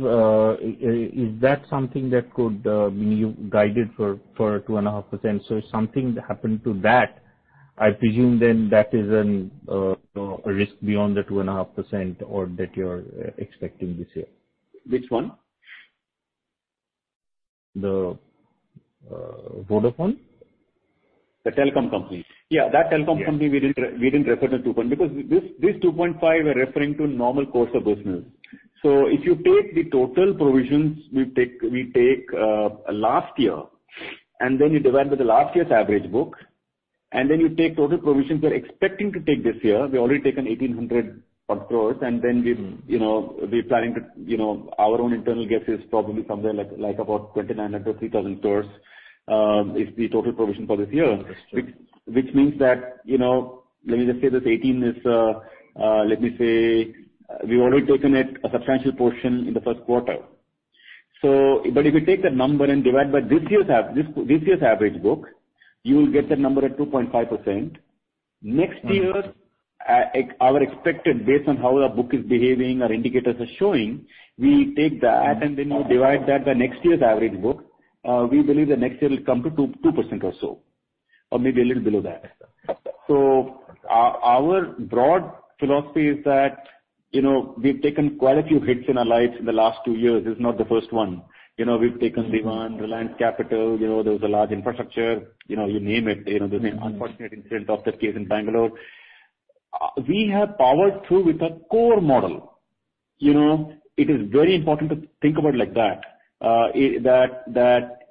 is that something that could mean you guided for 2.5%? If something happened to that, I presume then that is a risk beyond the 2.5% or that you're expecting this year. Which one? The Vodafone. The telecom company. Yeah, that telecom company, we didn't refer the 2.5% because this 2.5%, we're referring to normal course of business. If you take the total provisions we take last year, then you divide by the last year's average book, then you take total provisions we're expecting to take this year, we've already taken 1,800 crores and then our own internal guess is probably somewhere about 2,900, 3,000 crores, is the total provision for this year. Understood. Means that, let me just say this 18 is, let me say, we've already taken a substantial portion in the first quarter. If you take that number and divide by this year's average book, you will get that number at 2.5%. Next year, our expected based on how our book is behaving, our indicators are showing, we take that and then you divide that by next year's average book. We believe that next year it will come to 2% or so, or maybe a little below that. Understood. Our broad philosophy is that we've taken quite a few hits in our lives in the last two years. This is not the first one. We've taken Zee, Reliance Capital, there was a large infrastructure, you name it. There's an unfortunate incident of that case in Bangalore. We have powered through with a core model. It is very important to think about it like that.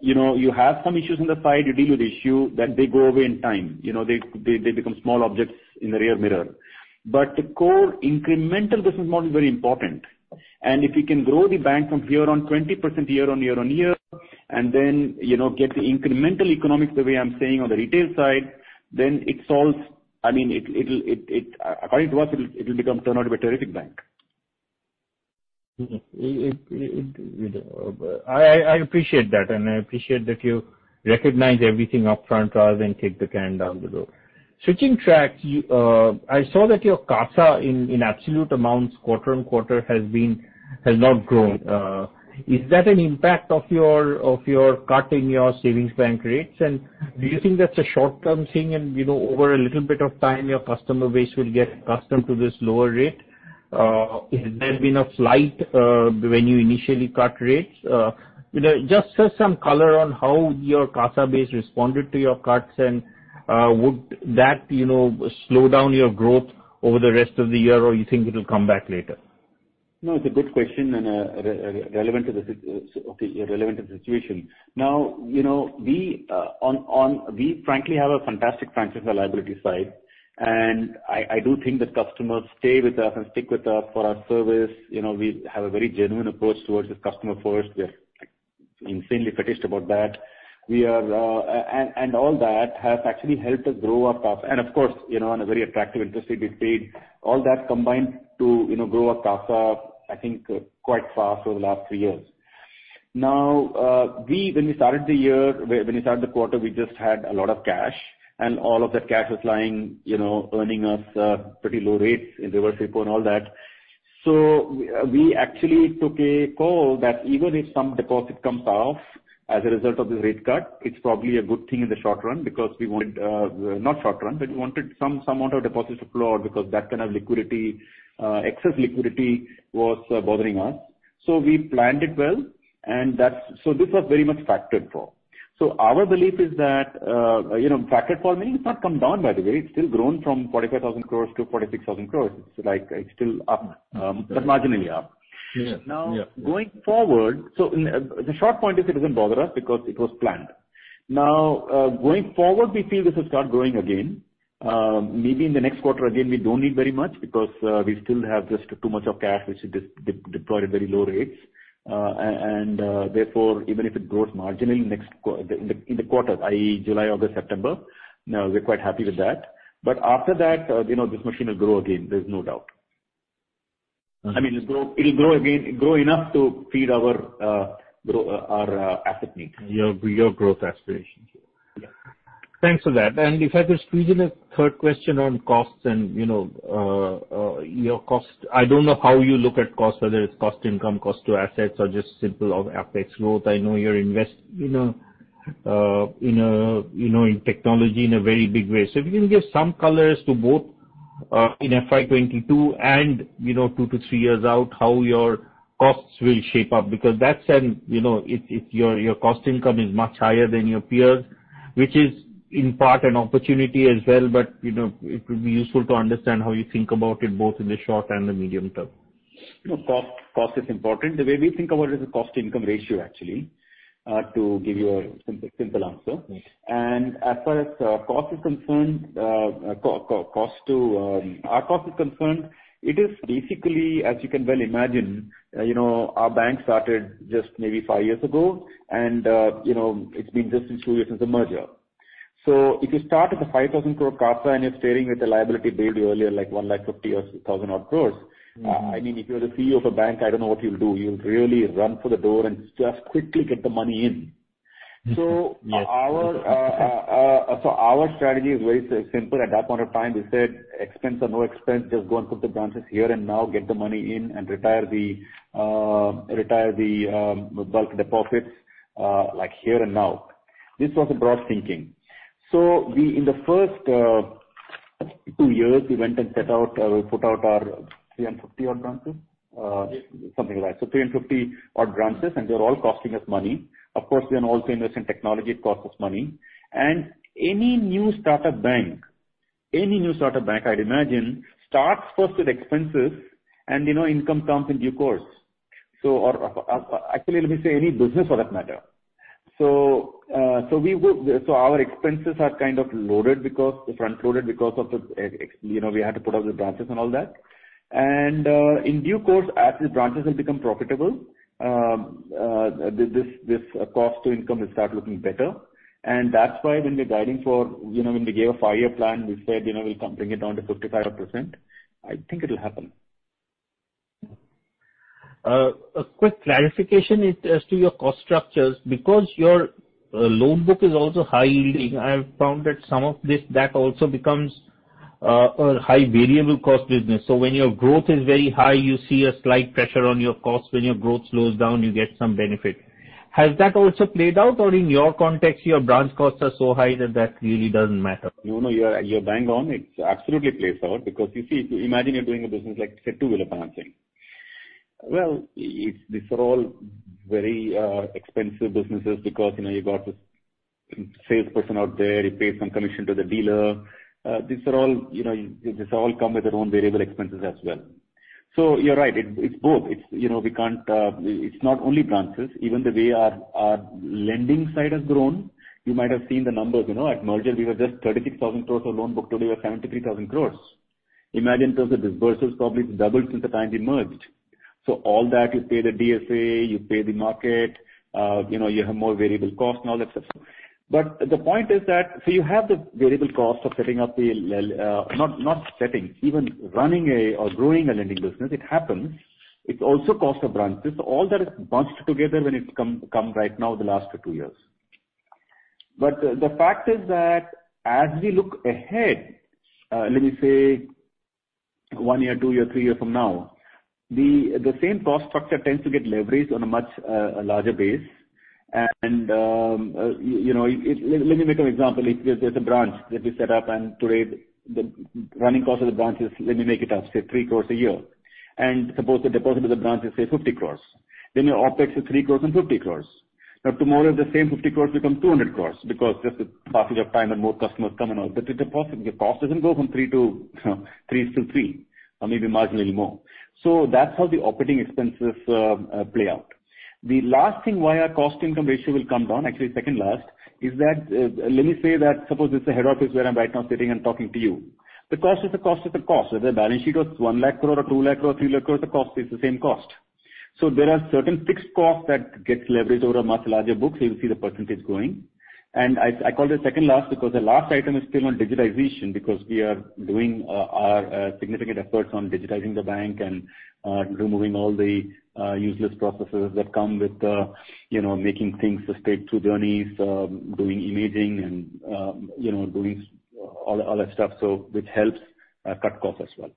That you have some issues on the side, you deal with the issue, then they go away in time. They become small objects in the rear mirror. The core incremental business model is very important. If we can grow the bank from here on 20% year on year on year, and then get the incremental economics the way I'm saying on the retail side, then it solves, I mean, according to us, it will turn out to be a terrific bank. I appreciate that and I appreciate that you recognize everything upfront rather than kick the can down the road. Switching tracks, I saw that your CASA in absolute amounts quarter on quarter has not grown. Is that an impact of your cut in your savings bank rates and do you think that's a short-term thing and over a little bit of time, your customer base will get accustomed to this lower rate? Has there been a flight when you initially cut rates? Just shed some color on how your CASA base responded to your cuts and would that slow down your growth over the rest of the year, or you think it will come back later? No, it's a good question and relevant to the situation. We frankly have a fantastic franchise on the liability side, and I do think that customers stay with us and stick with us for our service. We have a very genuine approach towards this customer first. We are insanely fetish about that. All that has actually helped us grow our CASA. Of course, on a very attractive interest rate we paid, all that combined to grow our CASA, I think, quite fast over the last three years. When we started the quarter, we just had a lot of cash and all of that cash was lying, earning us pretty low rates in reverse repo and all that. We actually took a call that even if some deposit comes off as a result of this rate cut, it's probably a good thing in the short run because we wanted, not short run, but we wanted some amount of deposits to flow out because that kind of excess liquidity was bothering us. We planned it well, and this was very much factored for. Our belief is that, factor for me, it's not come down by the way, it's still grown from 45,000 crore to 46,000 crore. It's still up, but marginally up. Yes. Going forward, the short point is it doesn't bother us because it was planned. Going forward, we feel this will start growing again. Maybe in the next quarter again, we don't need very much because we still have just too much cash, which is deployed at very low rates. Therefore, even if it grows marginally in the quarters, i.e., July, August, September, we're quite happy with that. After that, this machine will grow again, there's no doubt. It'll grow enough to feed our asset needs. Your growth aspirations. Yeah. Thanks for that. If I could squeeze in a third question on costs and your cost. I don't know how you look at costs, whether it's cost income, cost to assets or just simple of OpEx growth. I know you're investing in technology in a very big way. If you can give some color as to both, in FY 2022 and two to three years out, how your costs will shape up, because that said, if your cost income is much higher than your peers, which is in part an opportunity as well, it will be useful to understand how you think about it both in the short and the medium term. Cost is important. The way we think about it is the cost income ratio, actually, to give you a simple answer. Yes. As far as our cost is concerned, it is basically, as you can well imagine, our bank started just maybe five years ago and it's been just two years since the merger. If you start with a 5,000 crore CASA and you're staring at a liability base you earlier, like 150,000 odd crores. If you're the CEO of a bank, I don't know what you'll do. You'll really run for the door and just quickly get the money in. Yes. Our strategy is very simple. At that point of time, we said, expense or no expense, just go and put the branches here and now, get the money in and retire the bulk deposits, like here and now. This was the broad thinking. In the first two years, we went and put out our 350 odd branches. Something like that. 350 odd branches, and they're all costing us money. Of course, we are also investing in technology, it costs us money. Any new startup bank, I'd imagine, starts first with expenses and income comes in due course. Actually, let me say any business for that matter. Our expenses are kind of front-loaded because we had to put up the branches and all that. In due course, as the branches will become profitable, this cost to income will start looking better. That's why when we gave a five-year plan, we said we'll bring it down to 55%. I think it'll happen. A quick clarification as to your cost structures, because your loan book is also high-yielding, I have found that some of this, that also becomes a high variable cost business. When your growth is very high, you see a slight pressure on your cost. When your growth slows down, you get some benefit. Has that also played out? In your context, your branch costs are so high that that really doesn't matter? You're bang on. It's absolutely plays out because imagine you're doing a business like, say, two-wheeler financing. These are all very expensive businesses because you got the salesperson out there, you pay some commission to the dealer. These all come with their own variable expenses as well. You're right, it's both. It's not only branches. Even the way our lending side has grown, you might have seen the numbers. At merger, we were just 36,000 crore of loan book, today, we are 73,000 crore. Imagine in terms of disbursements, probably it's doubled since the time we merged. All that, you pay the DSA, you pay the market, you have more variable cost and all that stuff. The point is that, you have the variable cost of even running a or growing a lending business, it happens. It's also cost of branches. All that is bunched together when it comes right now the last two years. The fact is that as we look ahead, let me say one year, two year, three year from now, the same cost structure tends to get leveraged on a much larger base. Let me make an example. If there's a branch that we set up and today the running cost of the branch is, let me make it up, say 3 crores a year. Suppose the deposit with the branch is, say, 50 crores. Your OpEx is 3 crores and 50 crores. Tomorrow, the same 50 crores become 200 crores because just the passage of time and more customers come and all. It's a deposit. Your cost doesn't go from three to three. Maybe marginally more. That's how the operating expenses play out. The last thing why our cost income ratio will come down, actually second last, is that, let me say that suppose this is the head office where I am right now sitting and talking to you. The cost is a cost is a cost. Whether the balance sheet was 1 lakh crore or 2 lakh crore or 3 lakh crore, the cost is the same cost. There are certain fixed costs that gets leveraged over a much larger book, so you'll see the percentage growing. I call this second last because the last item is still on digitization because we are doing our significant efforts on digitizing the bank and removing all the useless processes that come with making things straight-through journeys, doing imaging and doing all that stuff, so which helps cut costs as well.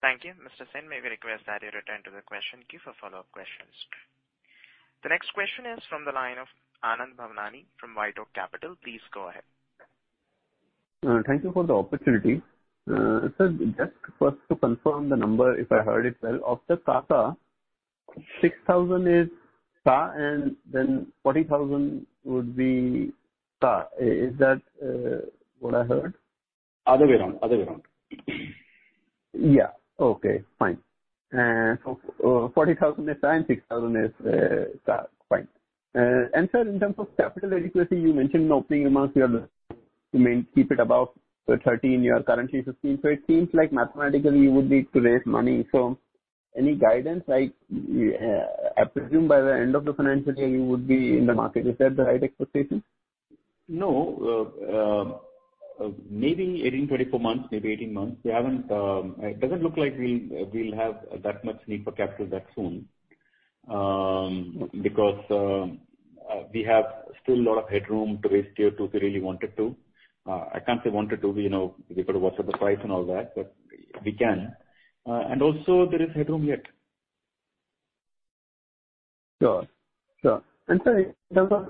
Thank you. Mr. Sen, may we request that you return to the question queue for follow-up questions. The next question is from the line of Anand Bhavnani from White Oak Capital. Please go ahead. Thank you for the opportunity. Sir, just first to confirm the number, if I heard it well. Of the CASA, 6,000 is CA, and then 40,000 would be SA. Is that what I heard? Other way around. Yeah. Okay, fine. 40,000 is SA and 6,000 is CA. Fine. Sir, in terms of capital adequacy, you mentioned in opening remarks you may keep it above 13%. You are currently 16%. It seems like mathematically you would need to raise money. Any guidance, like I presume by the end of the financial year, you would be in the market. Is that the right expectation? No. Maybe 18-24 months, maybe 18 months. It doesn't look like we'll have that much need for capital that soon, because we have still a lot of headroom to raise Tier 2 if we really wanted to. I can't say wanted to, because we've got to watch out the price and all that, but we can. Also there is headroom yet. Sure. Sir, in terms of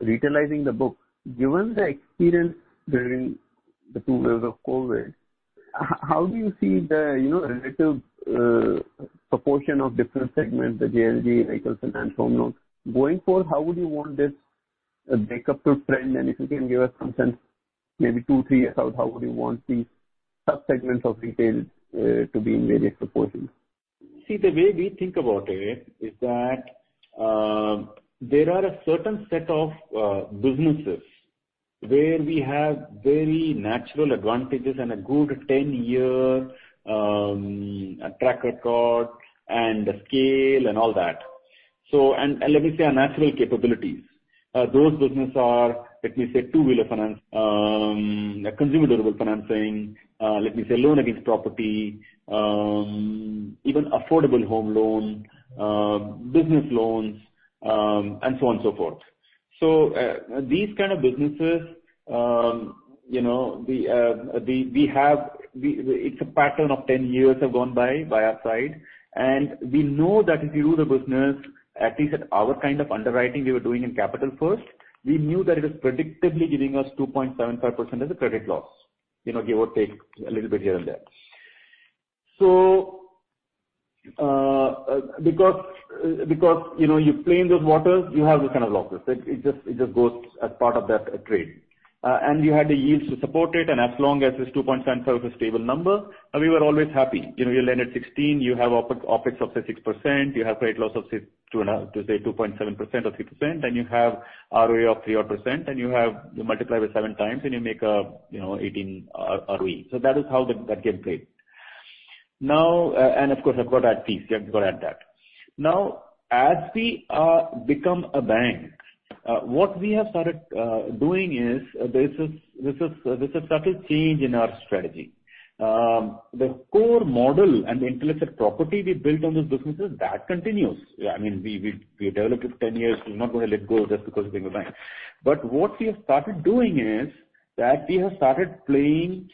retailizing the book, given the experience during the two waves of COVID, how do you see the relative proportion of different segments, the JLG, vehicle finance, home loans? Going forward, how would you want this breakup to trend? If you can give us some sense, maybe two, three years out, how would you want these sub-segments of retail to be in various proportions? The way we think about it is that there are a certain set of businesses where we have very natural advantages and a good 10-year track record and scale and all that. Let me say, our natural capabilities. Those businesses are, let me say, two-wheeler finance, consumer durable financing, let me say loan against property, even affordable home loan, business loans, and so on and so forth. These kind of businesses, it's a pattern of 10 years have gone by by our side. We know that if you do the business, at least at our kind of underwriting we were doing in Capital First, we knew that it was predictably giving us 2.75% as a credit loss, give or take a little bit here and there. Because you play in those waters, you have those kind of losses. It just goes as part of that trade. You had the yields to support it, and as long as this 2.75 was a stable number, we were always happy. You lend at 16, you have OpEx of say 6%, you have credit loss of say 2.7% or 3%, and you have ROA of 3%-odd, and you multiply by 7x and you make 18 ROE. That is how that game played. Of course, you have to add fees. You have to add that. Now, as we become a bank, what we have started doing is there's a subtle change in our strategy. The core model and the intellectual property we built on those businesses, that continues. We developed it 10 years, we're not going to let go just because we became a bank. What we have started doing is that we have started playing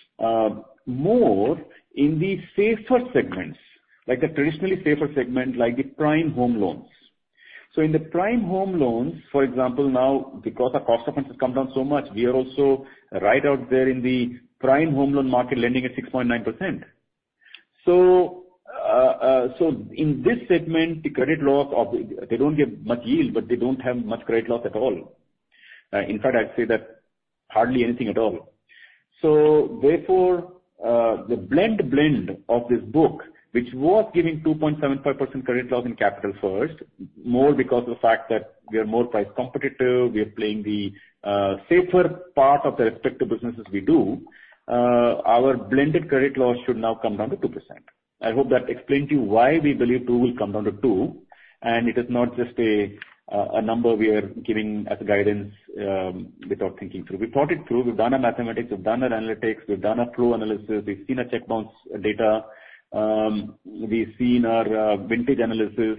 more in the safer segments, like the traditionally safer segment, like the prime home loans. In the prime home loans, for example, now because our cost of funds has come down so much, we are also right out there in the prime home loan market lending at 6.9%. In this segment, they don't give much yield, but they don't have much credit loss at all. In fact, I'd say that hardly anything at all. Therefore, the blend of this book, which was giving 2.75% credit loss in Capital First, more because of the fact that we are more price competitive, we are playing the safer part of the respective businesses we do, our blended credit loss should now come down to 2%. I hope that explained to you why we believe 2% will come down to 2%. It is not just a number we are giving as a guidance without thinking through. We thought it through. We've done our mathematics. We've done our analytics. We've done our flow analysis. We've seen our check bounce data. We've seen our vintage analysis.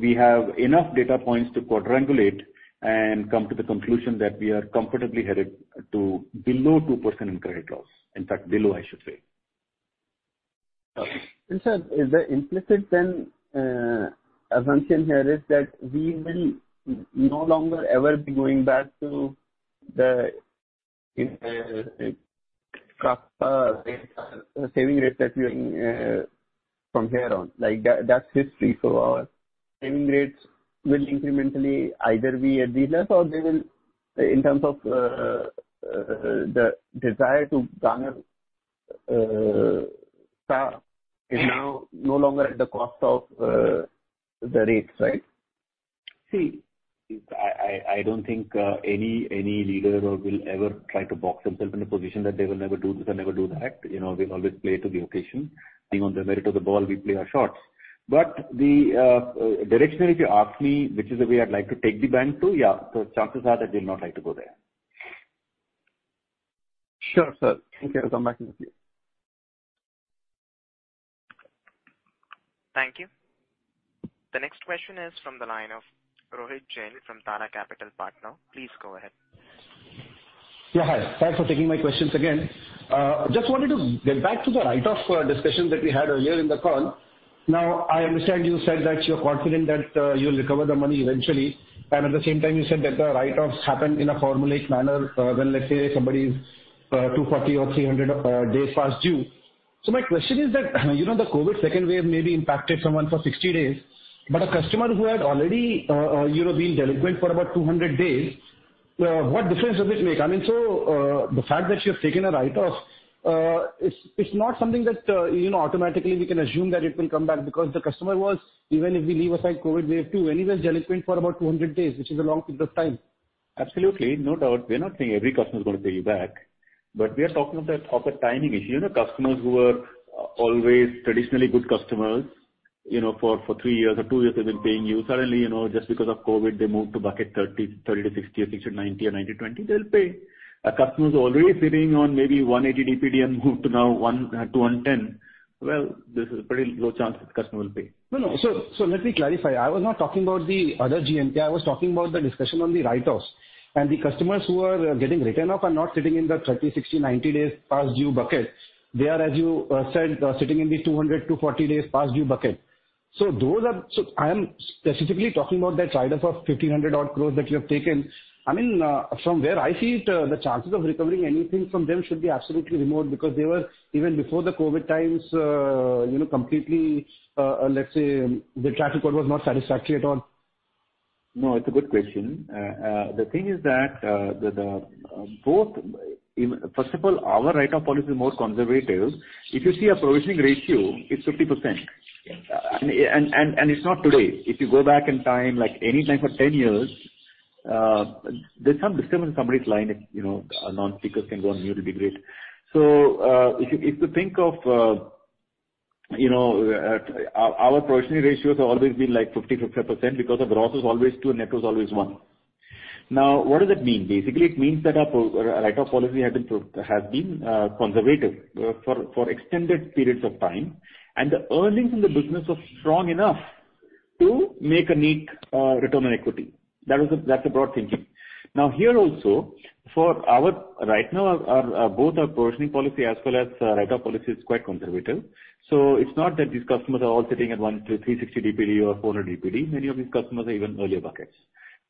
We have enough data points to quadrangulate and come to the conclusion that we are comfortably headed to below 2% in credit loss. In fact, below, I should say. Okay. Sir, is the implicit then assumption here is that we will no longer ever be going back to the CASA rates, saving rates that we earn from here on? Like that's history. Our saving rates will incrementally either be at zero or they will, in terms of the desire to garner CA is now no longer at the cost of the rates, right? See, I don't think any leader will ever try to box themselves in a position that they will never do this or never do that. We'll always play to the occasion. Playing on the merit of the ball, we play our shots. The direction, if you ask me, which is the way I'd like to take the bank to, yeah, the chances are that we'll not like to go there. Sure, sir. Thank you. I'll come back in a few. Thank you. The next question is from the line of Rohit Jain from Tara Capital Partners. Please go ahead. Yeah, hi. Thanks for taking my questions again. Just wanted to get back to the write-off discussion that we had earlier in the call. I understand you said that you're confident that you'll recover the money eventually, and at the same time, you said that the write-offs happen in a formulaic manner when, let's say, somebody's 240 or 300 days past due. My question is that, the COVID second wave may be impacted someone for 60 days, but a customer who had already been delinquent for about 200 days, what difference does it make? The fact that you have taken a write-off, it's not something that automatically we can assume that it will come back because the customer was, even if we leave aside COVID wave two, anyway he was delinquent for about 200 days, which is a long period of time. Absolutely. No doubt. We're not saying every customer is going to pay you back, but we are talking of a timing issue. Customers who were always traditionally good customers for three years or two years have been paying you, suddenly, just because of COVID, they moved to bucket 30-60 or 60-90 or 90-120, they'll pay. A customer who's already sitting on maybe 180 DPD and moved now to 110, well, there's a pretty low chance that customer will pay. No, no. Let me clarify. I was not talking about the other GNP. I was talking about the discussion on the write-offs, and the customers who are getting written off are not sitting in the 30, 60, 90 days past due bucket. They are, as you said, sitting in the 200, 240 days past due bucket. I am specifically talking about that write-off of 1,500 odd crore that you have taken. From where I see it, the chances of recovering anything from them should be absolutely remote because they were, even before the COVID times, completely, let's say, their track record was not satisfactory at all. No, it's a good question. The thing is that First of all, our write-off policy is more conservative. If you see a provisioning ratio, it's 50%. It's not today. If you go back in time, like any time for 10 years, there's some disclaimer in somebody's line that non-starters can go on 0 DPD. If you think of our provisioning ratios have always been 50%, 55% because of gross is always two and net was always one. Now, what does that mean? Basically, it means that our write-off policy has been conservative for extended periods of time, and the earnings in the business are strong enough to make a neat return on equity. That's a broad thinking. Now, here also, for right now, both our provisioning policy as well as write-off policy is quite conservative. It's not that these customers are all sitting at 1 to 360 DPD or 400 DPD. Many of these customers are even earlier buckets.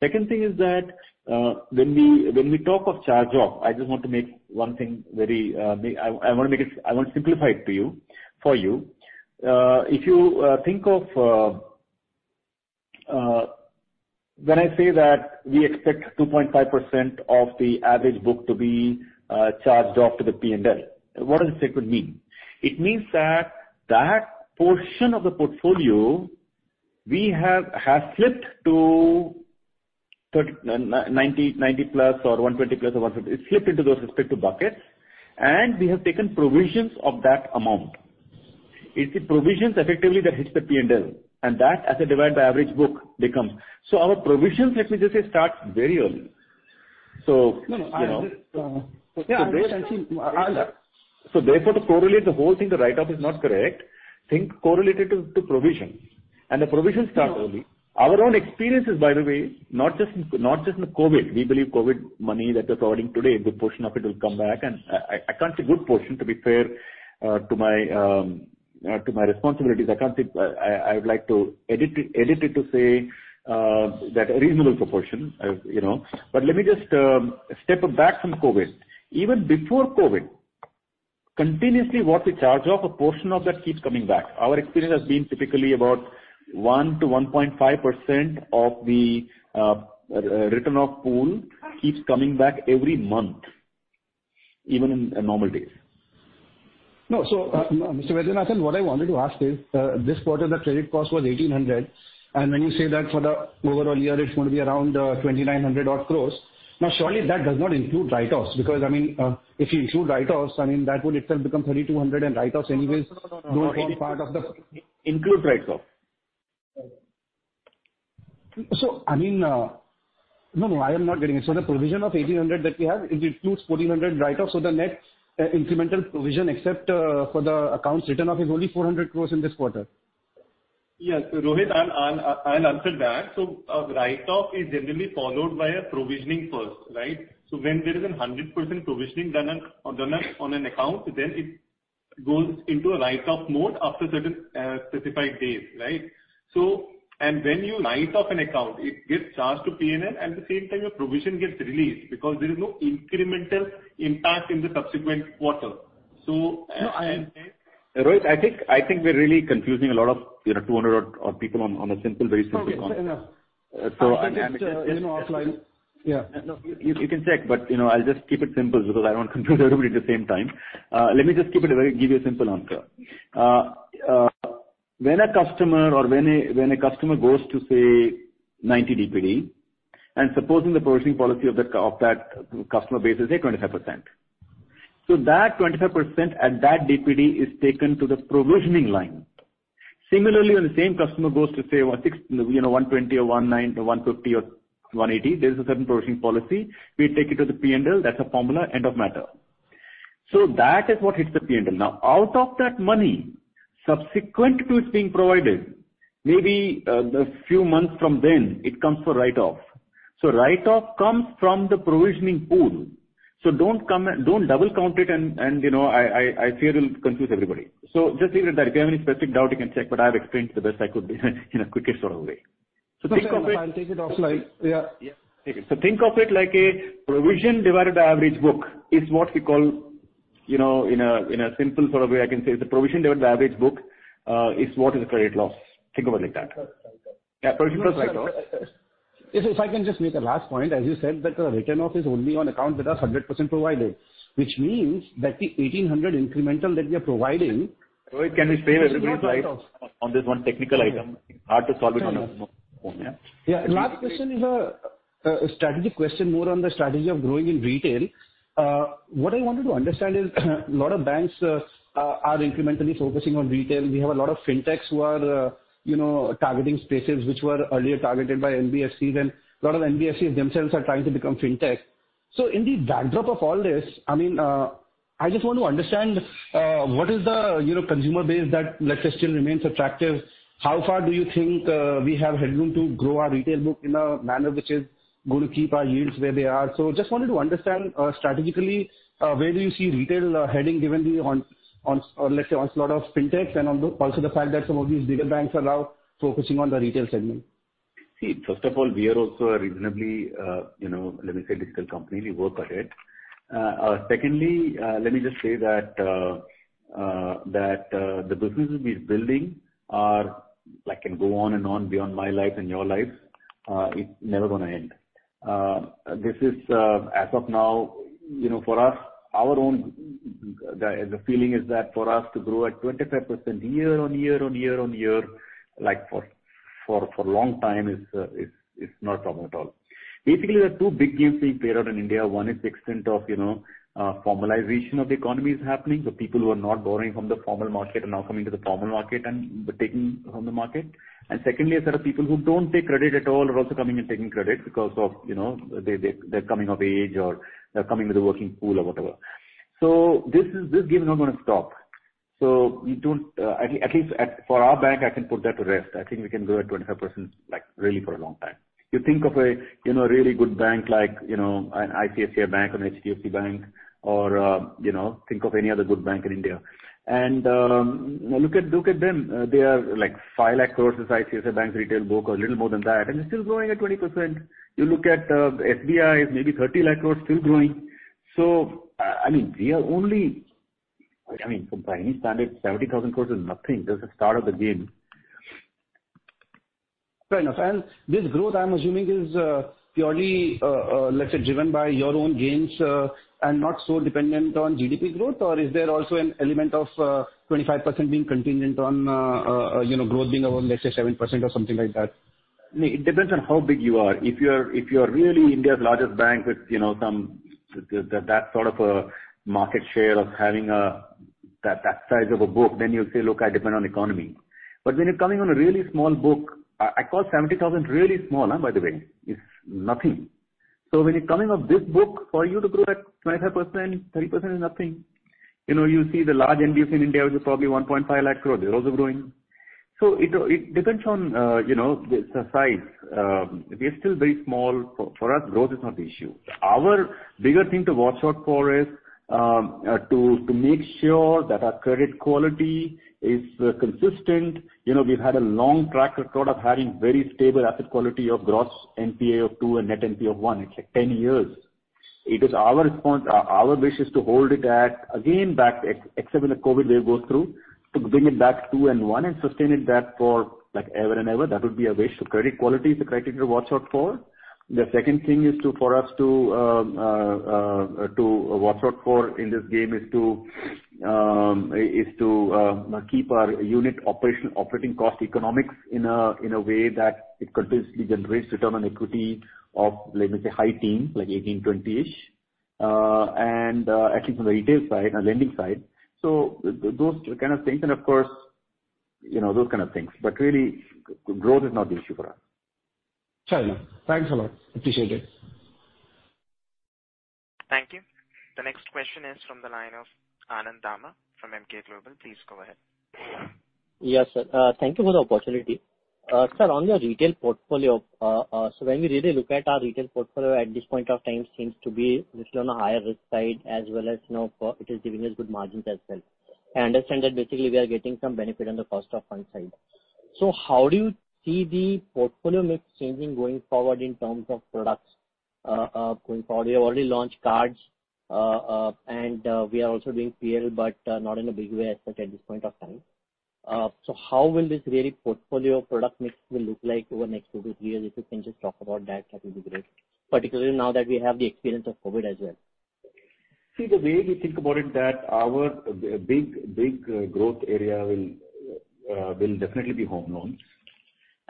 Second thing is that when we talk of charge-off, I want to simplify it for you. If you think of when I say that we expect 2.5% of the average book to be charged off to the P&L. What does it mean? It means that that portion of the portfolio has slipped to 90+ or 120+ or 150. It slipped into those respective buckets, and we have taken provisions of that amount. It's the provisions effectively that hits the P&L. Our provisions, let me just say, start very early. No, I understand. Therefore, to correlate the whole thing, the write-off is not correct. Think correlate it to provision. The provision starts early. Our own experience is, by the way, not just in COVID. We believe COVID money that we're providing today, a good portion of it will come back. I can't say good portion, to be fair to my responsibilities. I would like to edit it to say that a reasonable proportion. Let me just step back from COVID. Even before COVID, continuously what we charge off, a portion of that keeps coming back. Our experience has been typically about 1%-1.5% of the written-off pool keeps coming back every month, even in normal days. No. Mr. Vaidyanathan, what I wanted to ask is, this quarter, the credit cost was 1,800, and when you say that for the overall year, it's going to be around 2,900 odd crores. Now, surely that does not include write-offs because if you include write-offs, that would itself become INR 3,200. No. Don't form part of the. Include write-off. No, I am not getting it. The provision of 1,800 that we have, it includes 1,400 write-offs. The net incremental provision except for the accounts written off is only 400 crores in this quarter. Yes. Rohit, I will answer that. A write-off is generally followed by a provisioning first, right? When there is a 100% provisioning done on an account, then it goes into a write-off mode after certain specified days, right? When you write off an account, it gets charged to P&L. At the same time, your provision gets released because there is no incremental impact in the subsequent quarter. No, I. Rohit, I think we're really confusing a lot of 200 odd people on a simple, very simple concept. No, it's enough. You can check, but I'll just keep it simple because I don't want to confuse everybody at the same time. Let me just give you a simple answer. When a customer goes to, say, 90 DPD, and supposing the provisioning policy of that customer base is, say, 25%. That 25% at that DPD is taken to the provisioning line. Similarly, when the same customer goes to, say, 120 or 190 or 150 or 180, there is a certain provisioning policy. We take it to the P&L. That's a formula, end of matter. That is what hits the P&L. Out of that money, subsequent to it being provided, maybe a few months from then, it comes for write-off. Write-off comes from the provisioning pool. Don't double count it and I fear it'll confuse everybody. Just leave it at that. If you have any specific doubt, you can check, but I have explained to the best I could in a quickest sort of way. No sir, I'll take it offline. Yeah. Yeah. Think of it like a provision divided by average book is what we call, in a simple sort of way I can say, is the provision divided by average book is what is a credit loss. Think of it like that. Provision credit loss. Yeah, provision credit loss. If I can just make a last point, as you said, sir, the written off is only on accounts that are 100% provided, which means that the 1,800 incremental that we are providing. Rohit, can we spare everybody's life on this one technical item? Hard to solve it on a call. Last question is a strategic question more on the strategy of growing in retail. What I wanted to understand is a lot of banks are incrementally focusing on retail. We have a lot of fintechs who are targeting spaces which were earlier targeted by NBFCs, and a lot of NBFCs themselves are trying to become fintech. In the backdrop of all this, I just want to understand what is the consumer base that still remains attractive? How far do you think we have headroom to grow our retail book in a manner which is going to keep our yields where they are? Just wanted to understand, strategically, where do you see retail heading given the, let's say, a lot of fintech and also the fact that some of these bigger banks are now focusing on the retail segment. See, first of all, we are also a reasonably digital company. We work at it. Secondly, let me just say that the businesses we're building are, I can go on and on beyond my life and your life, it's never going to end. This is as of now, for us, the feeling is that for us to grow at 25% year on year on year on year, like for long time, it's not a problem at all. Basically, there are two big games being played out in India. One is the extent of formalization of the economy is happening. People who are not borrowing from the formal market are now coming to the formal market and they're taking from the market. Secondly, a set of people who don't take credit at all are also coming and taking credit because of they're coming of age or they're coming with a working pool or whatever. This game is not going to stop. At least for our bank, I can put that to rest. I think we can grow at 25% really for a long time. You think of a really good bank like an ICICI Bank or an HDFC Bank or think of any other good bank in India and look at them. They are like 5 lakh crores is ICICI Bank's retail book or little more than that and it's still growing at 20%. You look at SBI is maybe 30 lakh crore, still growing. We are only, by any standard, 70,000 crores is nothing. Just the start of the game. Fair enough. This growth, I'm assuming, is purely, let's say, driven by your own gains, and not so dependent on GDP growth? Is there also an element of 25% being contingent on growth being around, let's say, 7% or something like that? It depends on how big you are. If you are really India's largest bank with that sort of a market share of having that size of a book, then you'll say, "Look, I depend on economy." When you're coming on a really small book, I call 70,000 really small, by the way. It's nothing. When you're coming off this book, for you to grow at 25%, 30% is nothing. You see the large NBFC in India, which is probably 1.5 lakh crore, they're also growing. It depends on the size. We are still very small. For us, growth is not the issue. Our bigger thing to watch out for is to make sure that our credit quality is consistent. We've had a long track record of having very stable asset quality of gross NPA of 2 and net NPA of 1. It's like 10 years. It is our response. Our wish is to hold it at, again, back except when the COVID wave goes through, to bring it back to 2 and 1 and sustain it back for like ever and ever. That would be a wish. Credit quality is a criteria to watch out for. The second thing for us to watch out for in this game is to keep our unit operating cost economics in a way that it consistently generates return on equity of, let me say, high teens, like 18, 20-ish. Actually from the retail side and lending side. Those kind of things and of course, those kind of things. Really, growth is not the issue for us. Fair enough. Thanks a lot. Appreciate it. Thank you. The next question is from the line of Anand Dama from Emkay Global. Please go ahead. Yes, sir. Thank you for the opportunity. Sir, on your retail portfolio, when we really look at our retail portfolio at this point of time seems to be little on a higher risk side as well as for it is giving us good margins as well. I understand that basically we are getting some benefit on the cost of fund side. How do you see the portfolio mix changing going forward in terms of products? Going forward, we have already launched cards, and we are also doing PL, but not in a big way as such at this point of time. How will this very portfolio product mix will look like over next two to three years? If you can just talk about that will be great. Particularly now that we have the experience of COVID as well. The way we think about it that our big growth area will definitely be home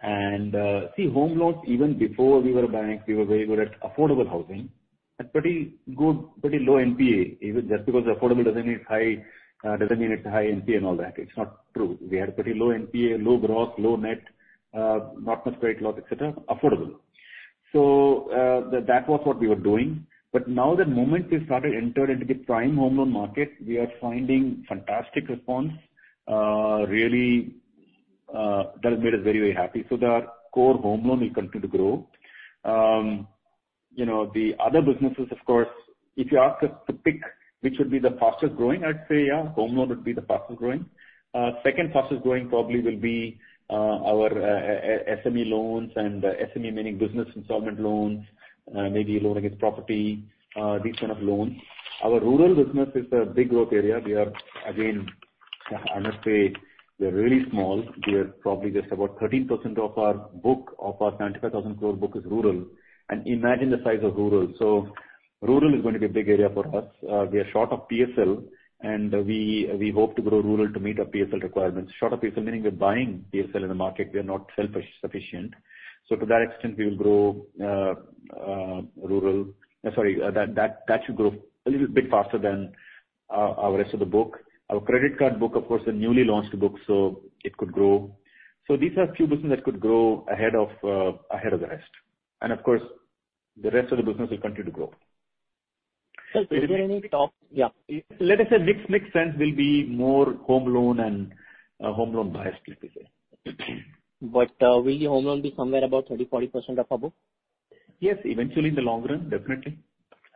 loans. Home loans, even before we were a bank, we were very good at affordable housing at pretty low NPA. Even just because affordable doesn't mean it's high NPA and all that. It's not true. We had pretty low NPA, low gross, low net, not much credit loss, et cetera. Affordable. That was what we were doing. Now the moment we started entering into the prime home loan market, we are finding fantastic response. That made us very happy. Our core home loan will continue to grow. The other businesses, of course, if you ask us to pick which would be the fastest-growing, I'd say, home loan would be the fastest-growing. Second fastest-growing probably will be our SME loans and SME meaning business installment loans, maybe loan against property, these kind of loans. Our rural business is a big growth area. We are, again, I must say, we are really small. We are probably just about 13% of our book, of our 95,000 crore book is rural. Imagine the size of rural. Rural is going to be a big area for us. We are short of PSL and we hope to grow rural to meet our PSL requirements. Short of PSL meaning we're buying PSL in the market, we are not self-sufficient. To that extent, we will grow rural. Sorry, that should grow a little bit faster than our rest of the book. Our credit card book, of course, a newly launched book, so it could grow. These are a few businesses that could grow ahead of the rest. Of course, the rest of the business will continue to grow. Sir, will there be any top, yeah. Let us say mix sense will be more home loan and home loan biased, let me say. Will your home loan be somewhere about 30%, 40% of the book? Yes, eventually in the long run, definitely.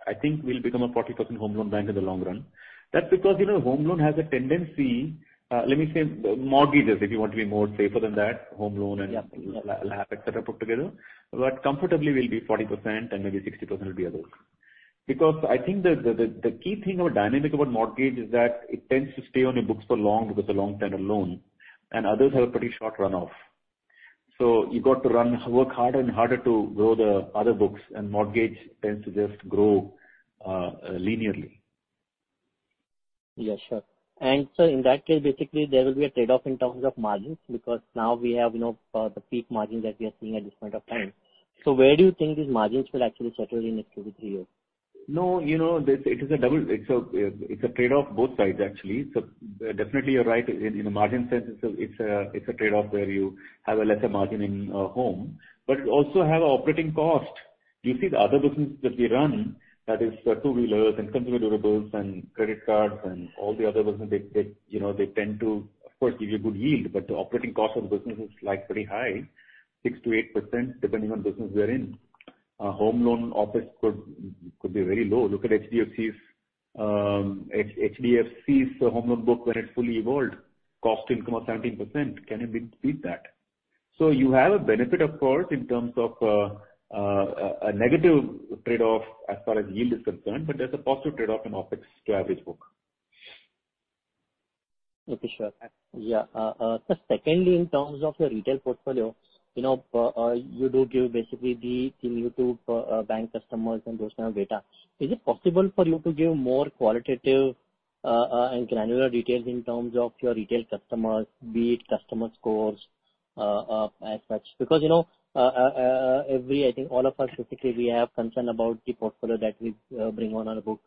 I think we'll become a 40% home loan bank in the long run. That's because home loan has a tendency, let me say, mortgages, if you want to be more safer than that. Yeah. Et cetera put together. Comfortably we'll be 40% and maybe 60% will be others. I think the key thing or dynamic about mortgage is that it tends to stay on your books for long because a long time loan and others have a pretty short run-off. You got to work harder and harder to grow the other books, and mortgage tends to just grow linearly. Yeah, sure. In that case, basically there will be a trade-off in terms of margins because now we have the peak margin that we are seeing at this point of time. Where do you think these margins will actually settle in next two to three years? It's a trade-off both sides, actually. Definitely you're right. In a margin sense, it's a trade-off where you have a lesser margin in home, but also have operating cost. You see the other business that we run, that is two-wheelers and consumer durables and credit cards and all the other business, they tend to, of course, give you a good yield, but the operating cost of the business is pretty high, 6%-8%, depending on business we're in. Home loan OpEx could be very low. Look at HDFC's home loan book when it fully evolved. Cost income of 17%. Can you beat that? You have a benefit, of course, in terms of a negative trade-off as far as yield is concerned, but there's a positive trade-off in OpEx to average book. Okay, sure. Yeah. Sir, secondly, in terms of your retail portfolio, you do give basically the new-to-bank customers and those kind of data. Is it possible for you to give more qualitative and granular details in terms of your retail customers? Be it customer scores as such. Because I think all of us, basically, we have concern about the portfolio that we bring on our books,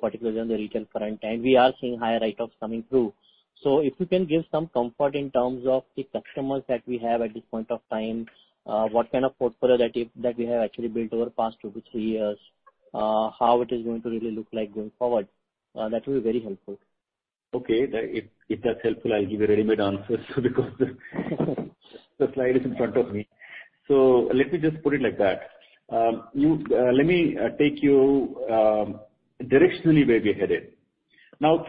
particularly on the retail front, and we are seeing higher write-offs coming through. If you can give some comfort in terms of the customers that we have at this point of time, what kind of portfolio that we have actually built over the past two to three years, how it is going to really look like going forward? That will be very helpful. Okay. If that's helpful, I'll give a ready-made answer because the slide is in front of me. Let me just put it like that. Let me take you directionally where we are headed.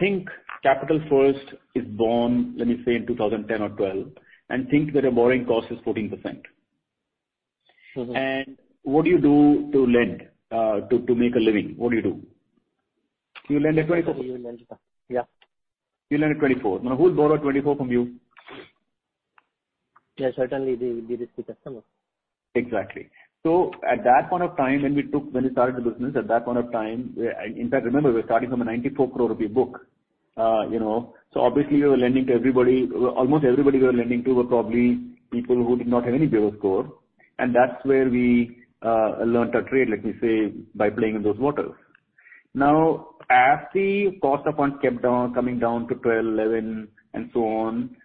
Think Capital First is born, let me say in 2010 or 2012, and think that the borrowing cost is 14%. What do you do to lend, to make a living? What do you do? You lend at 24. You lend, yeah. You lend at 24. Who's borrow 24 from you? Yeah, certainly the risky customer. Exactly. At that point of time, when we started the business, at that point of time, in fact, remember, we're starting from an 94 crore rupee book. Obviously we were lending to everybody. Almost everybody we were lending to were probably people who did not have any bureau score. That's where we learned our trade, let me say, by playing in those waters. Now, as the cost of funds kept coming down to 12, 11, and so on,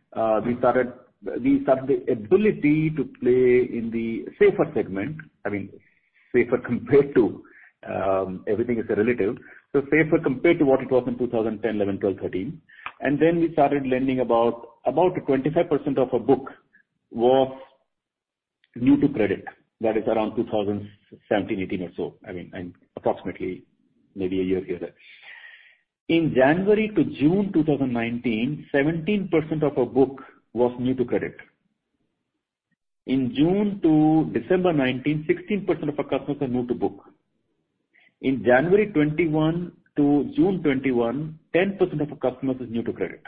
we started the ability to play in the safer segment. I mean, safer compared to, everything is a relative, safer compared to what it was in 2010, 2011, 2012, 2013. Then we started lending about 25% of our book was new to credit. That is around 2017, 2018 or so. Approximately, maybe a year here or there. In January to June 2019, 17% of our book was new to credit. In June to December 2019, 16% of our customers are new to book. In January 2021 to June 2021, 10% of our customers is new to credit.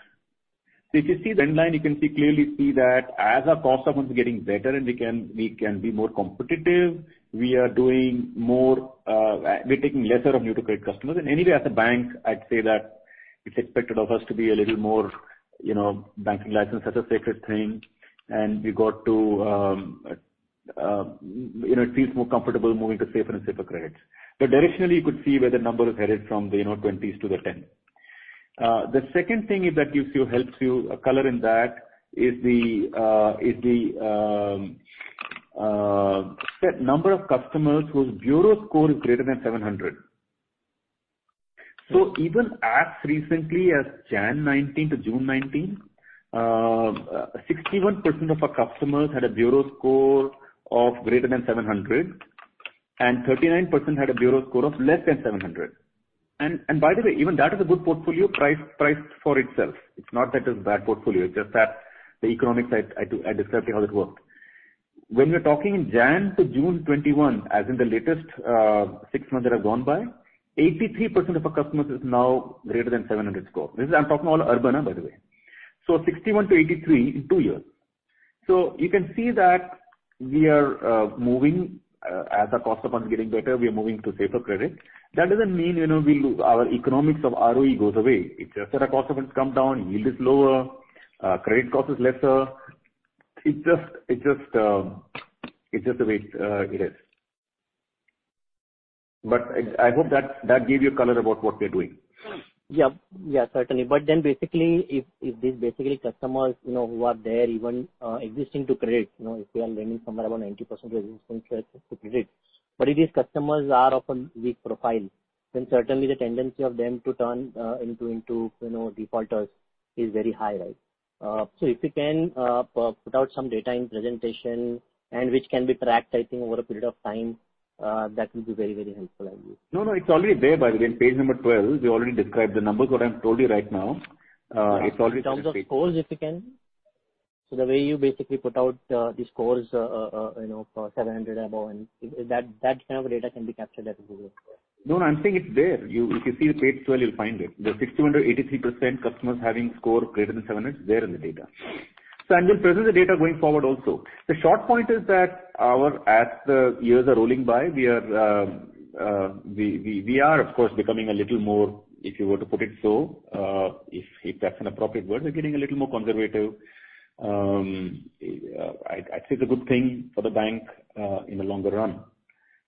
If you see the end line, you can clearly see that as our cost of funds is getting better and we can be more competitive, we're taking lesser of new-to-credit customers. Anyway, as a bank, I'd say that it's expected of us to be a little more, banking license is a sacred thing, and it feels more comfortable moving to safer and safer credits. Directionally, you could see where the number has headed from the 20s to the 10. The second thing, if that helps you color in that, is the number of customers whose bureau score is greater than 700. Even as recently as Jan 2019 to June 2019, 61% of our customers had a bureau score of greater than 700, and 39% had a bureau score of less than 700. By the way, even that is a good portfolio priced for itself. It's not that it's bad portfolio, it's just that the economics, I described to you how it worked. When we're talking Jan to June 2021, as in the latest six months that have gone by, 83% of our customers is now greater than 700 score. This is, I'm talking all urban, by the way. 61%-83% in two years. You can see that we are moving, as our cost of funds getting better, we are moving to safer credit. That doesn't mean our economics of ROE goes away. It's just that our cost of funds come down, yield is lower, credit cost is lesser. It's just the way it is. I hope that gave you a color about what we're doing. Certainly. Basically, if these customers who are there even existing to credit, if they are lending somewhere around 90% to credit. If these customers are of a weak profile, then certainly the tendency of them to turn into defaulters is very high. If you can put out some data in presentation and which can be tracked, I think, over a period of time, that will be very helpful, I believe. No, it's already there by the way, in page number 12, we already described the numbers what I've told you right now. It's already there. In terms of scores, if you can. The way you basically put out the scores for 700 above and that kind of data can be captured as well. No, I'm saying it's there. If you see page 12, you'll find it. The 60%-83% customers having score greater than 700 is there in the data. I will present the data going forward also. The short point is that as the years are rolling by, we are of course, becoming a little more, if you were to put it so, if that's an appropriate word, we're getting a little more conservative. I'd say it's a good thing for the bank in the longer run.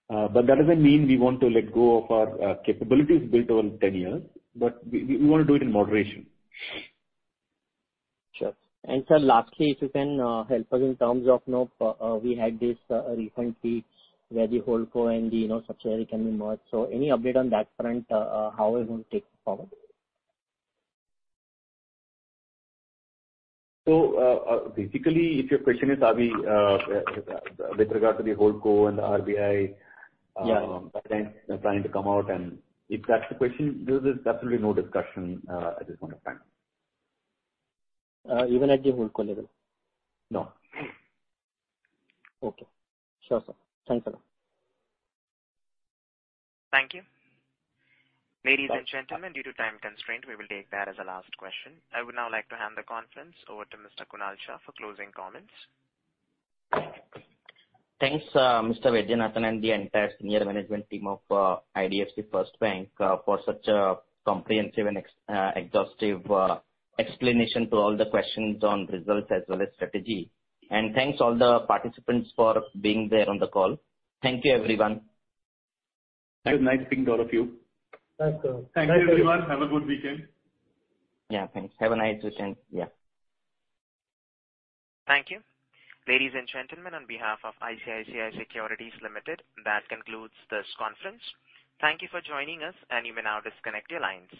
That doesn't mean we want to let go of our capabilities built over 10 years, but we want to do it in moderation. Sure. Sir, lastly, if you can help us in terms of, we had this recent peaks where the holdco and the subsidiary can be merged. Any update on that front, how are you going to take it forward? Basically, if your question is, are we with regard to the holdco and the RBI. Yeah. Trying to come out, and if that's the question, there's absolutely no discussion at this point of time. Even at the holdco level? No. Okay. Sure, sir. Thanks a lot. Thank you. Ladies and gentlemen, due to time constraint, we will take that as the last question. I would now like to hand the conference over to Mr. Kunal Shah for closing comments. Thanks, Mr. V. Vaidyanathan and the entire senior management team of IDFC FIRST Bank for such a comprehensive and exhaustive explanation to all the questions on results as well as strategy. Thanks all the participants for being there on the call. Thank you, everyone. It was nice speaking to all of you. Thanks, sir. Thank you, everyone. Have a good weekend. Yeah, thanks. Have a nice weekend. Yeah. Thank you. Ladies and gentlemen, on behalf of ICICI Securities Limited, that concludes this conference. Thank you for joining us, and you may now disconnect your lines.